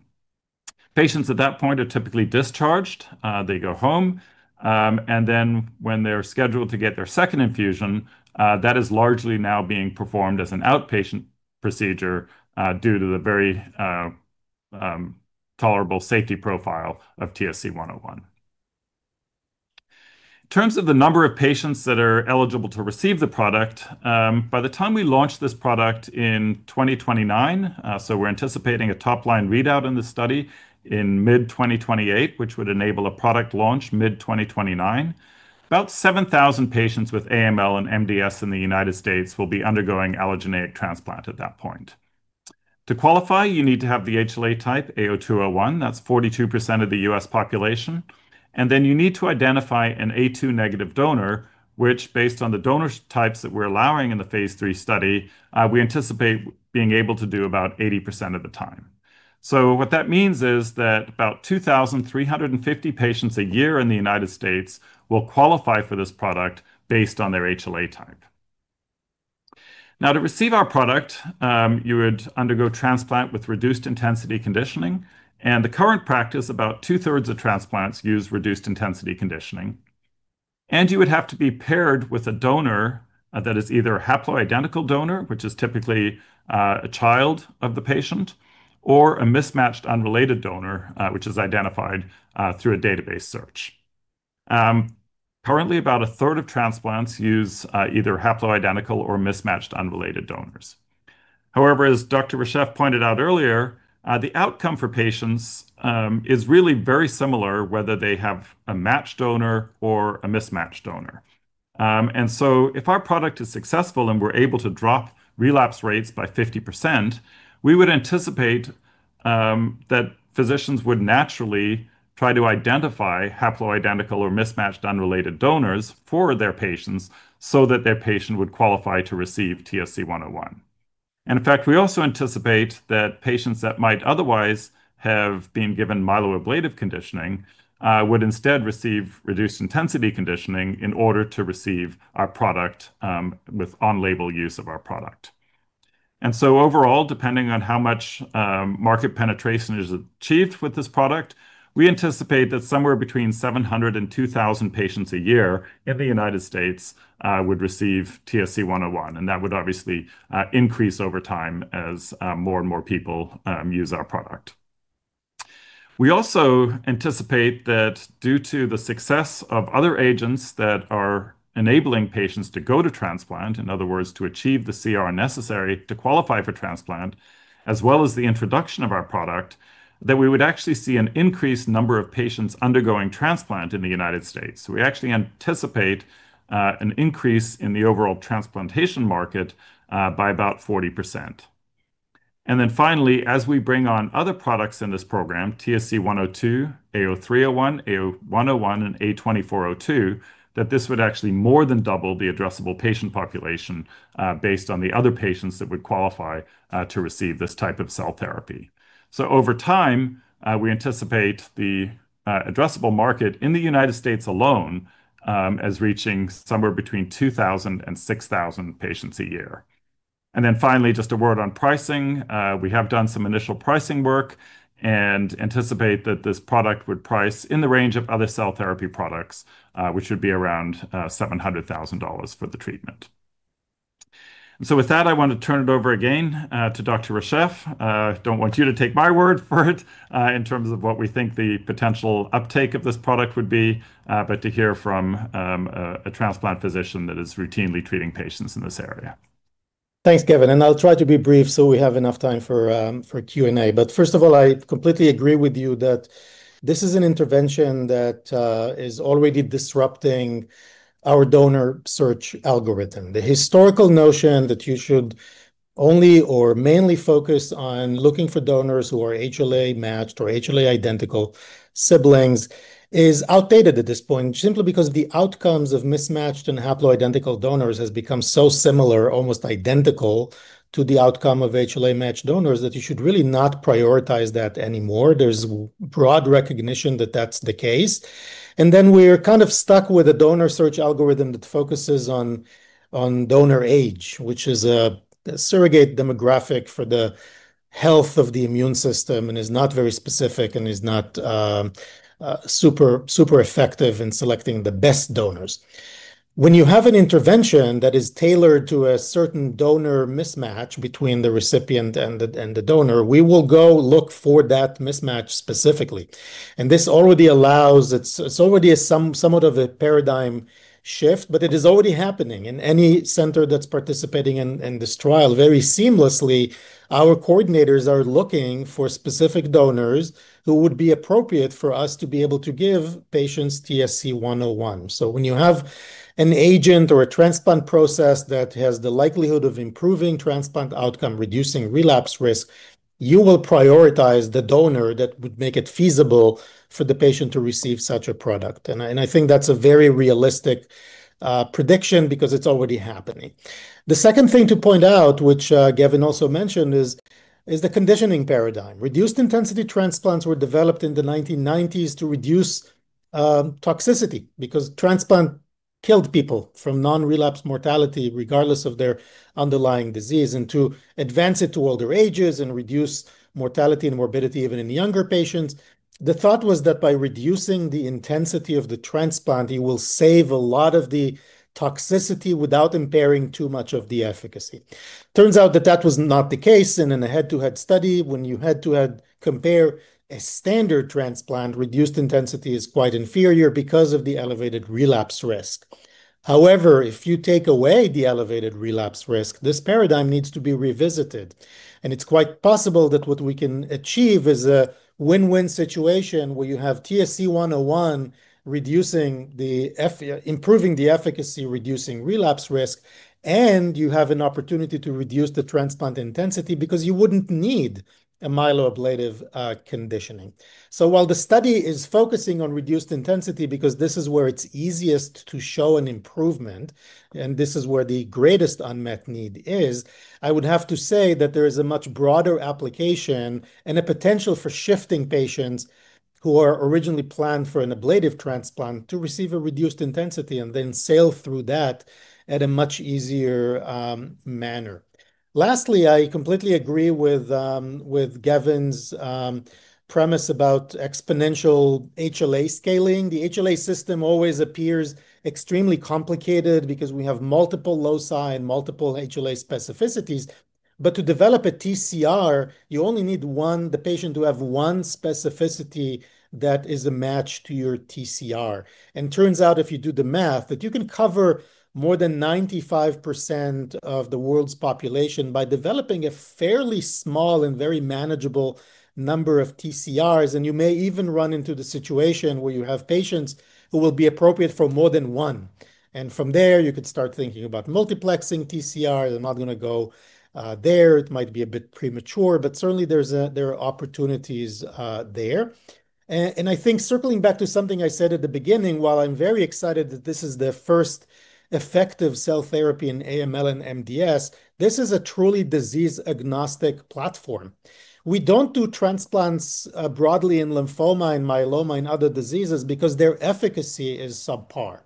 Patients at that point are typically discharged. They go home, and then when they're scheduled to get their second infusion, that is largely now being performed as an outpatient procedure due to the very tolerable safety profile of TSC-101. In terms of the number of patients that are eligible to receive the product, by the time we launch this product in 2029, we're anticipating a top-line readout in the study in mid-2028, which would enable a product launch mid-2029. About 7,000 patients with AML and MDS in the United States will be undergoing allogeneic transplant at that point. To qualify, you need to have the HLA type A0201, that's 42% of the U.S. population. You need to identify an A2 negative donor, which based on the donor types that we're allowing in the phase III study, we anticipate being able to do about 80% of the time. What that means is that about 2,350 patients a year in the United States will qualify for this product based on their HLA type. Now, to receive our product, you would undergo transplant with reduced intensity conditioning, and the current practice, about 2/3 of transplants use reduced intensity conditioning. You would have to be paired with a donor that is either a haploidentical donor, which is typically a child of the patient, or a mismatched unrelated donor, which is identified through a database search. Currently, about 1/3 of transplants use either haploidentical or mismatched unrelated donors. However, as Dr. Reshef pointed out earlier, the outcome for patients is really very similar, whether they have a matched donor or a mismatched donor. If our product is successful and we're able to drop relapse rates by 50%, we would anticipate that physicians would naturally try to identify haploidentical or mismatched unrelated donors for their patients so that their patient would qualify to receive TSC-101. In fact, we also anticipate that patients that might otherwise have been given myeloablative conditioning, would instead receive reduced intensity conditioning in order to receive our product, with on-label use of our product. Overall, depending on how much market penetration is achieved with this product, we anticipate that somewhere between 700-2,000 patients a year in the United States would receive TSC-101, and that would obviously increase over time as more and more people use our product. We also anticipate that due to the success of other agents that are enabling patients to go to transplant, in other words, to achieve the CR necessary to qualify for transplant, as well as the introduction of our product, that we would actually see an increased number of patients undergoing transplant in the United States We actually anticipate an increase in the overall transplantation market by about 40%. Finally, as we bring on other products in this program, TSC-102, A0301, A0101, and A2402, that this would actually more than double the addressable patient population based on the other patients that would qualify to receive this type of cell therapy. Over time, we anticipate the addressable market in the United States alone as reaching somewhere between 2,000-6,000 patients a year. Finally, just a word on pricing. We have done some initial pricing work and anticipate that this product would price in the range of other cell therapy products, which would be around $700,000 for the treatment. With that, I want to turn it over again to Dr. Reshef. Don't want you to take my word for it in terms of what we think the potential uptake of this product would be, but to hear from a transplant physician that is routinely treating patients in this area. Thanks, Gavin. I'll try to be brief so we have enough time for Q&A. First of all, I completely agree with you that this is an intervention that is already disrupting our donor search algorithm. The historical notion that you should only or mainly focus on looking for donors who are HLA matched or HLA identical siblings is outdated at this point, simply because the outcomes of mismatched and haploidentical donors has become so similar, almost identical to the outcome of HLA matched donors that you should really not prioritize that anymore. There's broad recognition that that's the case. Then we're kind of stuck with a donor search algorithm that focuses on donor age, which is a surrogate demographic for the health of the immune system and is not very specific and is not super effective in selecting the best donors. When you have an intervention that is tailored to a certain donor mismatch between the recipient and the donor, we will go look for that mismatch specifically. This already allows, it's already somewhat of a paradigm shift, but it is already happening in any center that's participating in this trial very seamlessly. Our coordinators are looking for specific donors who would be appropriate for us to be able to give patients TSC-101. When you have an agent or a transplant process that has the likelihood of improving transplant outcome, reducing relapse risk, you will prioritize the donor that would make it feasible for the patient to receive such a product. I think that's a very realistic prediction because it's already happening. The second thing to point out, which Gavin also mentioned, is the conditioning paradigm. Reduced intensity transplants were developed in the 1990s to reduce toxicity because transplant killed people from non-relapsed mortality regardless of their underlying disease and to advance it to older ages and reduce mortality and morbidity even in younger patients. The thought was that by reducing the intensity of the transplant, you will save a lot of the toxicity without impairing too much of the efficacy. Turns out that that was not the case, in a head-to-head study, when you head-to-head compare a standard transplant, reduced intensity is quite inferior because of the elevated relapse risk. If you take away the elevated relapse risk, this paradigm needs to be revisited, and it's quite possible that what we can achieve is a win-win situation where you have TSC-101 improving the efficacy, reducing relapse risk, and you have an opportunity to reduce the transplant intensity because you wouldn't need a myeloablative conditioning. While the study is focusing on reduced intensity because this is where it's easiest to show an improvement, and this is where the greatest unmet need is, I would have to say that there is a much broader application and a potential for shifting patients who are originally planned for an ablative transplant to receive a reduced intensity and then sail through that at a much easier manner. Lastly, I completely agree with Gavin's premise about exponential HLA scaling. The HLA system always appears extremely complicated because we have multiple loci and multiple HLA specificities. To develop a TCR, you only need the patient to have one specificity that is a match to your TCR. Turns out if you do the math, that you can cover more than 95% of the world's population by developing a fairly small and very manageable number of TCRs, and you may even run into the situation where you have patients who will be appropriate for more than one. From there, you could start thinking about multiplexing TCR. I'm not going to go there. It might be a bit premature, but certainly there are opportunities there. I think circling back to something I said at the beginning, while I'm very excited that this is the first effective cell therapy in AML and MDS, this is a truly disease-agnostic platform. We don't do transplants broadly in lymphoma and myeloma and other diseases because their efficacy is subpar.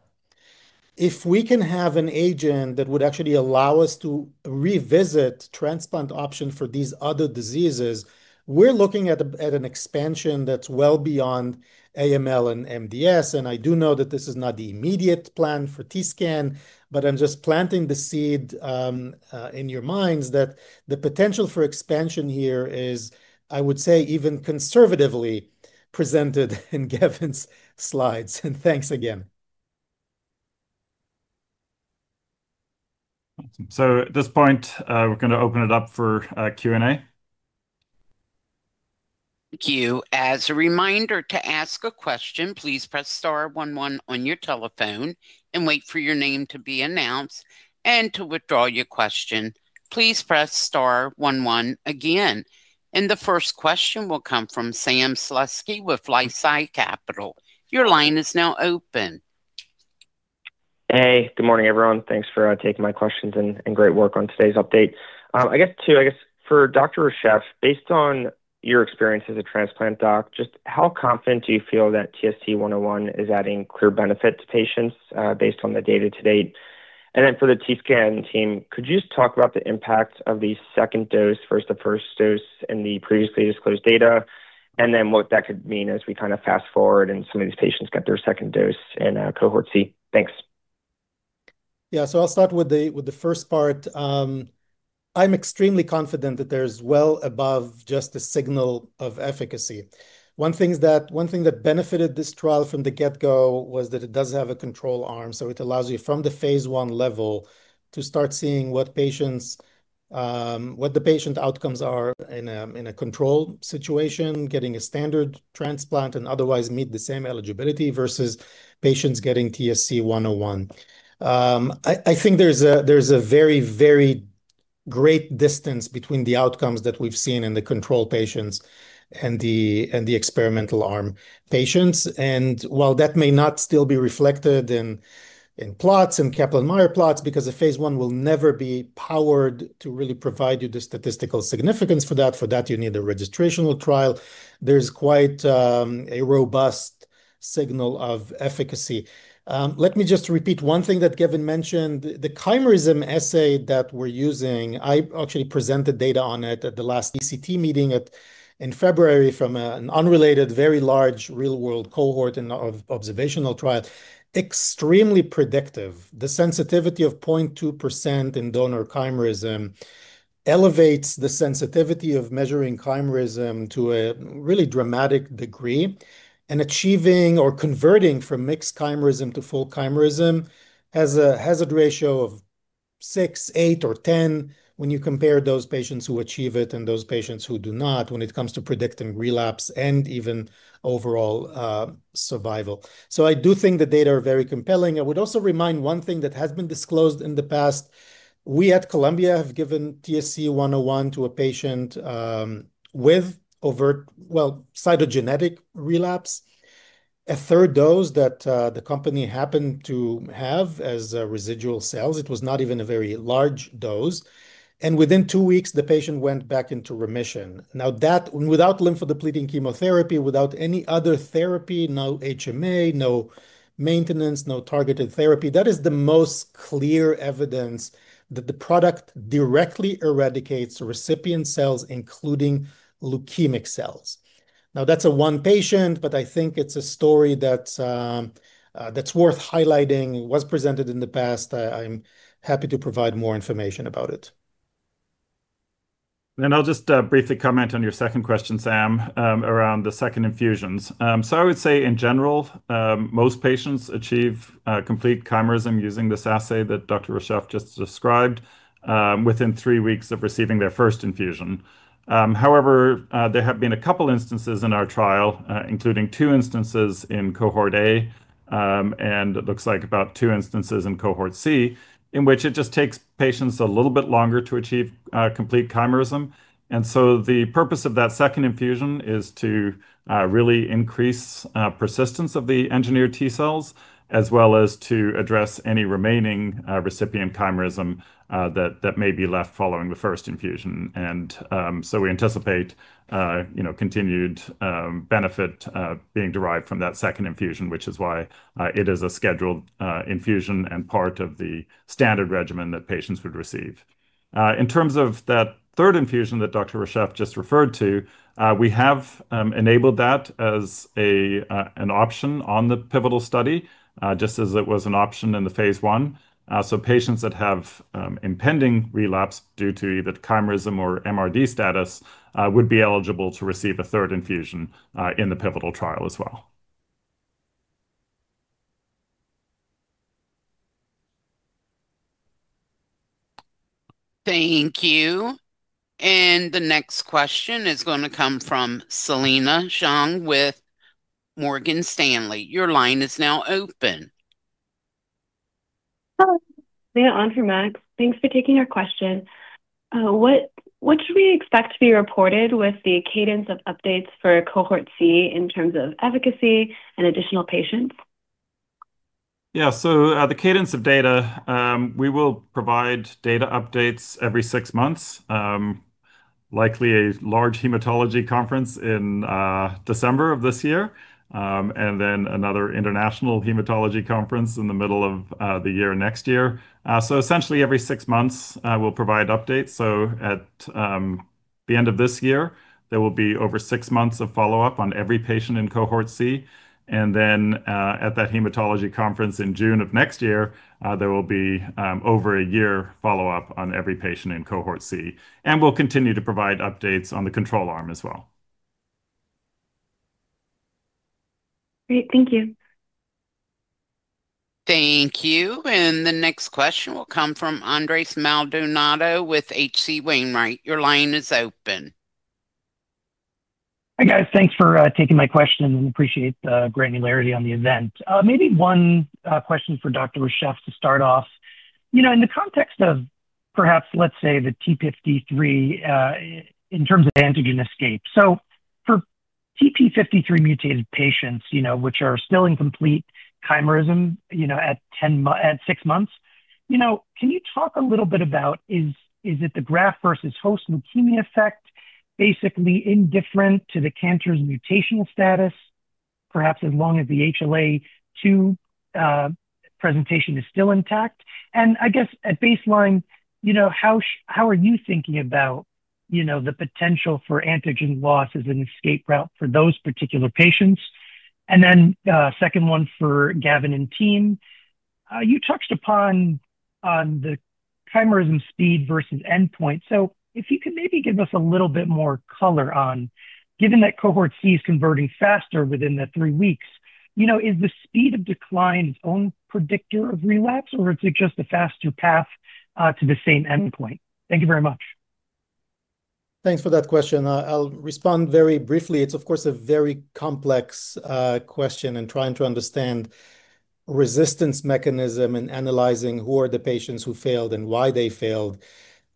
If we can have an agent that would actually allow us to revisit transplant options for these other diseases, we're looking at an expansion that's well beyond AML and MDS. I do know that this is not the immediate plan for TScan, but I'm just planting the seed in your minds that the potential for expansion here is, I would say, even conservatively presented in Gavin's slides. Thanks again. At this point, we're going to open it up for Q&A. Thank you. As a reminder, to ask a question, please press star one one on your telephone and wait for your name to be announced. To withdraw your question, please press star one one again. The first question will come from Sam Slutsky with LifeSci Capital. Your line is now open. Yeah. Hey, good morning, everyone. Thanks for taking my questions and great work on today's update. I guess for Dr. Reshef, based on your experience as a transplant doc, just how confident do you feel that TSC-101 is adding clear benefit to patients, based on the data to date? For the TScan team, could you just talk about the impact of the second dose versus the first dose in the previously disclosed data, and what that could mean as we fast-forward and some of these patients get their second dose in Cohort C? Thanks. Yeah. I'll start with the first part. I'm extremely confident that there's well above just the signal of efficacy. One thing that benefited this trial from the get-go was that it does have a control arm, so it allows you, from the phase I level, to start seeing what the patient outcomes are in a controlled situation, getting a standard transplant, and otherwise meet the same eligibility versus patients getting TSC-101. I think there's a very great distance between the outcomes that we've seen in the control patients and the experimental arm patients. While that may not still be reflected in Kaplan-Meier plots, because a phase I will never be powered to really provide you the statistical significance for that, you need a registrational trial, there's quite a robust signal of efficacy. Let me just repeat one thing that Gavin mentioned. The chimerism assay that we're using, I actually presented data on it at the last TCT meeting in February from an unrelated, very large real-world cohort and observational trial. Extremely predictive. The sensitivity of 0.2% in donor chimerism elevates the sensitivity of measuring chimerism to a really dramatic degree, and achieving or converting from mixed chimerism to full chimerism has a hazard ratio of six, eight, or 10 when you compare those patients who achieve it and those patients who do not when it comes to predicting relapse and even overall survival. I do think the data are very compelling. I would also remind one thing that has been disclosed in the past. We at Columbia have given TSC-101 to a patient, with [overt] cytogenetic relapse. A third dose that the company happened to have as residual cells, it was not even a very large dose. Within two weeks, the patient went back into remission. That, without lymphodepleting chemotherapy, without any other therapy, no HMA, no maintenance, no targeted therapy, that is the most clear evidence that the product directly eradicates recipient cells, including leukemic cells. That's a one patient, but I think it's a story that's worth highlighting. It was presented in the past. I'm happy to provide more information about it. I'll just briefly comment on your second question, Sam, around the second infusions. I would say in general, most patients achieve complete chimerism using this assay that Dr. Reshef just described within three weeks of receiving their first infusion. However, there have been a couple instances in our trial, including two instances in Cohort A, and it looks like about two instances in Cohort C, in which it just takes patients a little bit longer to achieve complete chimerism. The purpose of that second infusion is to really increase persistence of the engineered T cells, as well as to address any remaining recipient chimerism that may be left following the first infusion. We anticipate continued benefit being derived from that second infusion, which is why it is a scheduled infusion and part of the standard regimen that patients would receive. In terms of that third infusion that Dr. Reshef just referred to, we have enabled that as an option on the pivotal study, just as it was an option in the phase I. Patients that have impending relapse due to either chimerism or MRD status would be eligible to receive a third infusion in the pivotal trial as well. Thank you. The next question is going to come from Selena Zhang with Morgan Stanley. Your line is now open. Hello. Selena on for Max. Thanks for taking our question. What should we expect to be reported with the cadence of updates for Cohort C in terms of efficacy and additional patients? The cadence of data, we will provide data updates every six months, likely a large Hematology Conference in December of this year, and then another International Hematology Conference in the middle of the year next year. Essentially every six months, we'll provide updates. At the end of this year, there will be over six months of follow-up on every patient in Cohort C. At that Hematology Conference in June of next year, there will be over a year follow-up on every patient in Cohort C. We'll continue to provide updates on the control arm as well. Great. Thank you. Thank you. The next question will come from Andres Maldonado with H.C. Wainwright. Your line is open. Hi, guys. Thanks for taking my question and appreciate the granularity on the event. Maybe one question for Dr. Reshef to start off. In the context of perhaps, let's say, the TP53, in terms of antigen escape. For TP53 mutated patients, which are still in complete chimerism at six months, can you talk a little bit about is it the graft versus host leukemia effect basically indifferent to the cancer's mutational status, perhaps as long as the HLA-II presentation is still intact? I guess at baseline, how are you thinking about the potential for antigen loss as an escape route for those particular patients? Then, second one for Gavin and team. You touched upon on the chimerism speed versus endpoint. If you could maybe give us a little bit more color on, given that Cohort C is converting faster within the three weeks, is the speed of decline its own predictor of relapse, or is it just a faster path to the same endpoint? Thank you very much. Thanks for that question. I'll respond very briefly. It's, of course, a very complex question and trying to understand resistance mechanism and analyzing who are the patients who failed and why they failed.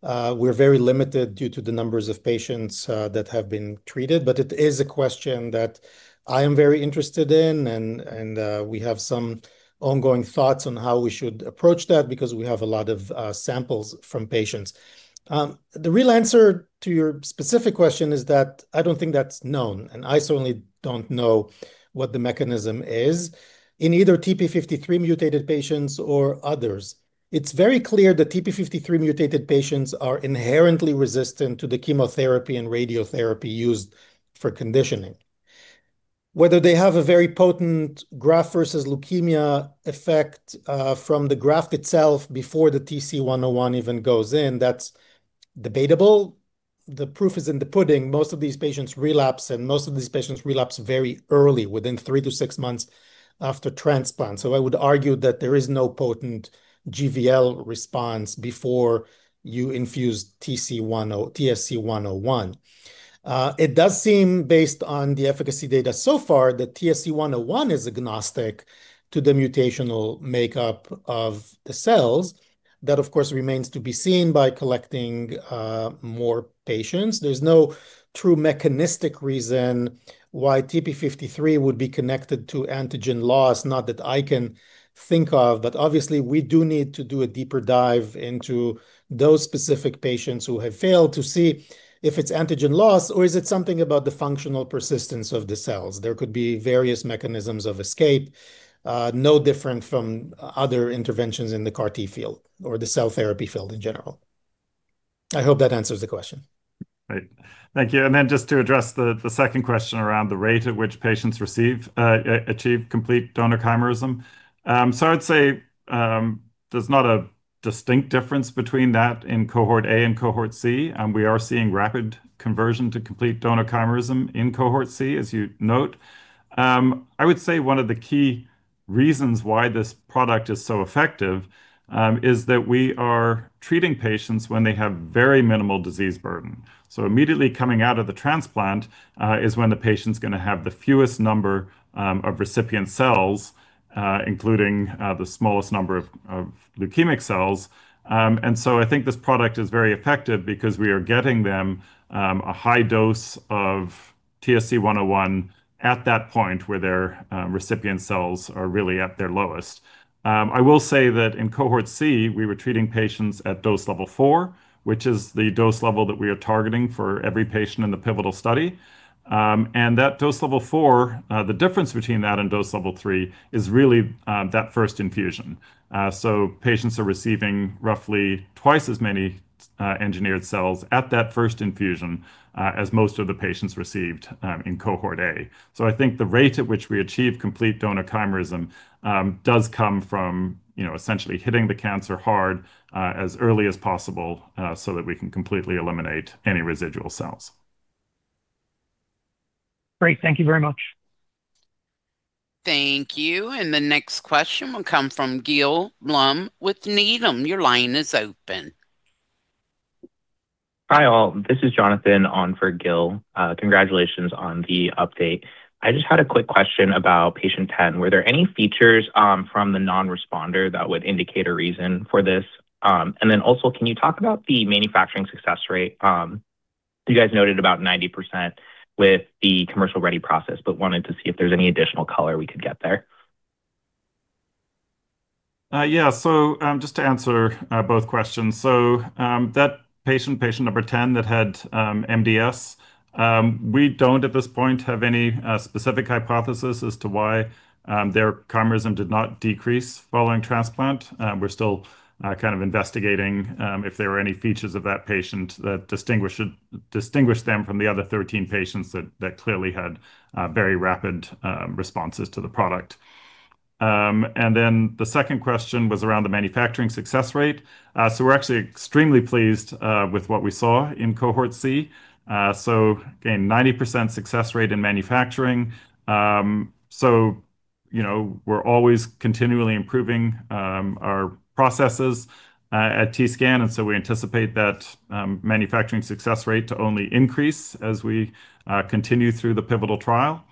We're very limited due to the numbers of patients that have been treated. It is a question that I am very interested in and we have some ongoing thoughts on how we should approach that because we have a lot of samples from patients. The real answer to your specific question is that I don't think that's known, and I certainly don't know what the mechanism is in either TP53 mutated patients or others. It's very clear that TP53 mutated patients are inherently resistant to the chemotherapy and radiotherapy used for conditioning. Whether they have a very potent graft versus leukemia effect from the graft itself before the TSC-101 even goes in, that's debatable. The proof is in the pudding. Most of these patients relapse, and most of these patients relapse very early, within three to six months after transplant. I would argue that there is no potent GVL response before you infuse TSC-101. It does seem, based on the efficacy data so far, that TSC-101 is agnostic to the mutational makeup of the cells. That, of course, remains to be seen by collecting more patients. There's no true mechanistic reason why TP53 would be connected to antigen loss, not that I can think of, obviously we do need to do a deeper dive into those specific patients who have failed to see if it's antigen loss or is it something about the functional persistence of the cells. There could be various mechanisms of escape, no different from other interventions in the CAR T field or the cell therapy field in general. I hope that answers the question. Great. Thank you. Then just to address the second question around the rate at which patients achieve complete donor chimerism. I'd say, there's not a distinct difference between that in Cohort A and Cohort C. We are seeing rapid conversion to complete donor chimerism in Cohort C, as you note. I would say one of the key reasons why this product is so effective, is that we are treating patients when they have very minimal disease burden. Immediately coming out of the transplant, is when the patient's going to have the fewest number of recipient cells, including the smallest number of leukemic cells. I think this product is very effective because we are getting them a high dose of TSC-101 at that point where their recipient cells are really at their lowest. I will say that in Cohort C, we were treating patients at dose level four, which is the dose level that we are targeting for every patient in the pivotal study. That dose level four, the difference between that and dose level three is really that first infusion. Patients are receiving roughly twice as many engineered cells at that first infusion as most of the patients received in cohort A. I think the rate at which we achieve complete donor chimerism does come from essentially hitting the cancer hard, as early as possible, so that we can completely eliminate any residual cells. Great. Thank you very much. Thank you. The next question will come from Gil Blum with Needham. Your line is open. Hi, all. This is Jonathan on for Gil. Congratulations on the update. I just had a quick question about patient 10. Were there any features from the non-responder that would indicate a reason for this? Also, can you talk about the manufacturing success rate? You guys noted about 90% with the commercial ready process, wanted to see if there's any additional color we could get there. Yeah. Just to answer both questions. That patient number 10 that had MDS, we don't at this point have any specific hypothesis as to why their chimerism did not decrease following transplant. We're still investigating if there were any features of that patient that distinguish them from the other 13 patients that clearly had very rapid responses to the product. The second question was around the manufacturing success rate. We're actually extremely pleased with what we saw in Cohort C. Again, 90% success rate in manufacturing. We're always continually improving our processes at TScan, we anticipate that manufacturing success rate to only increase as we continue through the pivotal trial.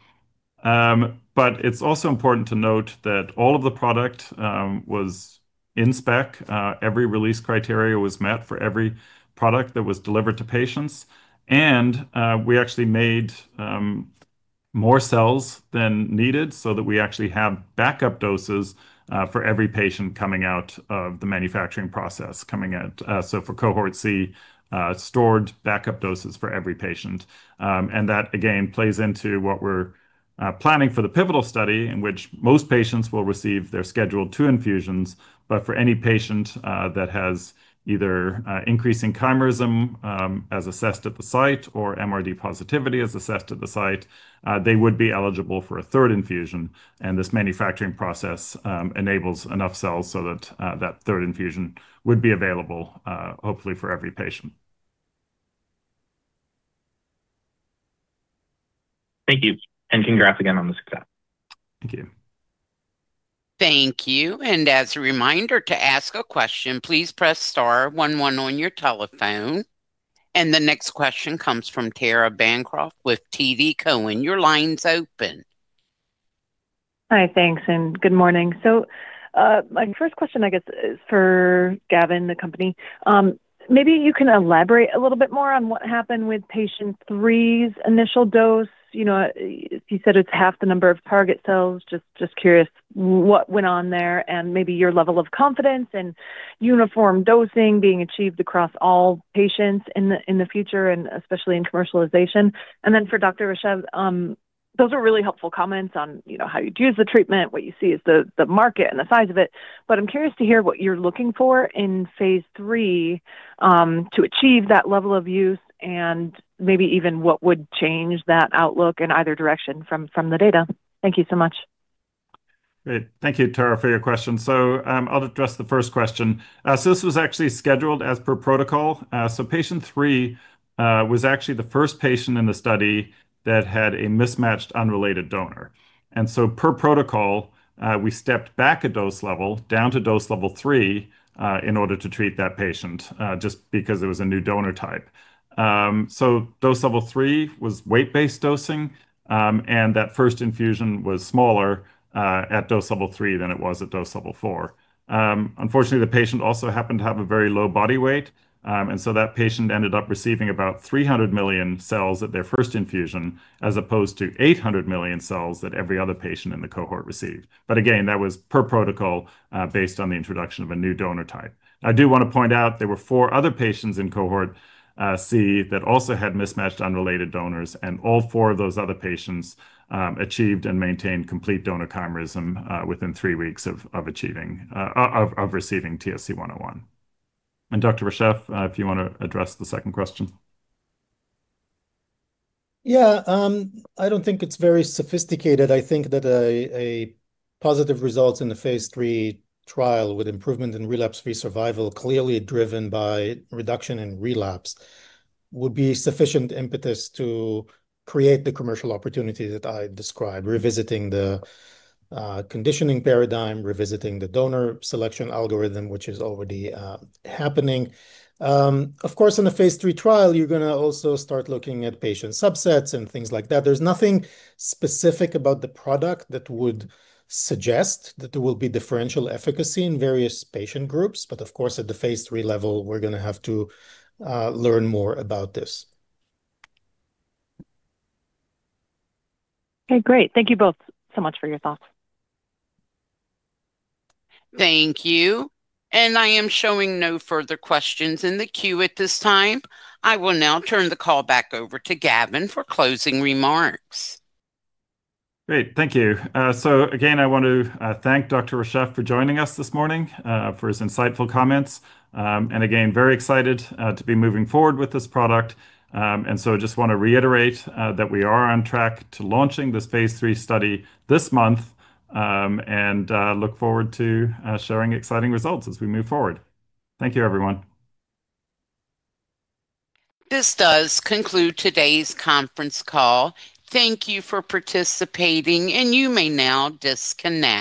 It's also important to note that all of the product was in spec. Every release criteria was met for every product that was delivered to patients. We actually made more cells than needed so that we actually have backup doses for every patient coming out of the manufacturing process. For Cohort C, stored backup doses for every patient. That again, plays into what we're planning for the pivotal study in which most patients will receive their scheduled two infusions, but for any patient that has either increasing chimerism, as assessed at the site, or MRD positivity as assessed at the site, they would be eligible for 1/3 infusion, and this manufacturing process enables enough cells so that third infusion would be available hopefully for every patient. Thank you, and congrats again on the success. Thank you. Thank you. As a reminder to ask a question, please press star one one on your telephone. The next question comes from Tara Bancroft with TD Cowen. Your line's open. Hi, thanks and good morning. My first question I guess is for Gavin, the company. Maybe you can elaborate a little bit more on what happened with patient threes initial dose. You said it's half the number of target cells. Just curious what went on there and maybe your level of confidence in uniform dosing being achieved across all patients in the future and especially in commercialization. For Dr. Reshef, those were really helpful comments on how you'd use the treatment, what you see is the market and the size of it. I'm curious to hear what you're looking for in phase III, to achieve that level of use and maybe even what would change that outlook in either direction from the data. Thank you so much. Great. Thank you, Tara, for your question. I'll address the first question. This was actually scheduled as per protocol. Patient three was actually the first patient in the study that had a mismatched unrelated donor. Per protocol, we stepped back a dose level down to dose level three in order to treat that patient, just because it was a new donor type. Dose level three was weight-based dosing, and that first infusion was smaller at dose level three than it was at dose level four. Unfortunately, the patient also happened to have a very low body weight, and that patient ended up receiving about 300 million cells at their first infusion as opposed to 800 million cells that every other patient in the cohort received. That was per protocol based on the introduction of a new donor type. I do want to point out there were four other patients in Cohort C that also had mismatched unrelated donors, and all four of those other patients achieved and maintained complete donor chimerism within three weeks of receiving TSC-101. Dr. Reshef, if you want to address the second question? Yeah. I don't think it's very sophisticated. I think that a positive result in the phase III trial with improvement in relapse-free survival, clearly driven by reduction in relapse, would be sufficient impetus to create the commercial opportunity that I described. Revisiting the conditioning paradigm, revisiting the donor selection algorithm, which is already happening. Of course, in a phase III trial, you're going to also start looking at patient subsets and things like that. There's nothing specific about the product that would suggest that there will be differential efficacy in various patient groups. Of course, at the phase III level, we're going to have to learn more about this. Okay, great. Thank you both so much for your thoughts. Thank you. I am showing no further questions in the queue at this time. I will now turn the call back over to Gavin for closing remarks. Great. Thank you. Again, I want to thank Dr. Reshef for joining us this morning, for his insightful comments. Again, very excited to be moving forward with this product. Just want to reiterate that we are on track to launching this phase III study this month, and look forward to sharing exciting results as we move forward. Thank you, everyone. This does conclude today's conference call. Thank you for participating, and you may now disconnect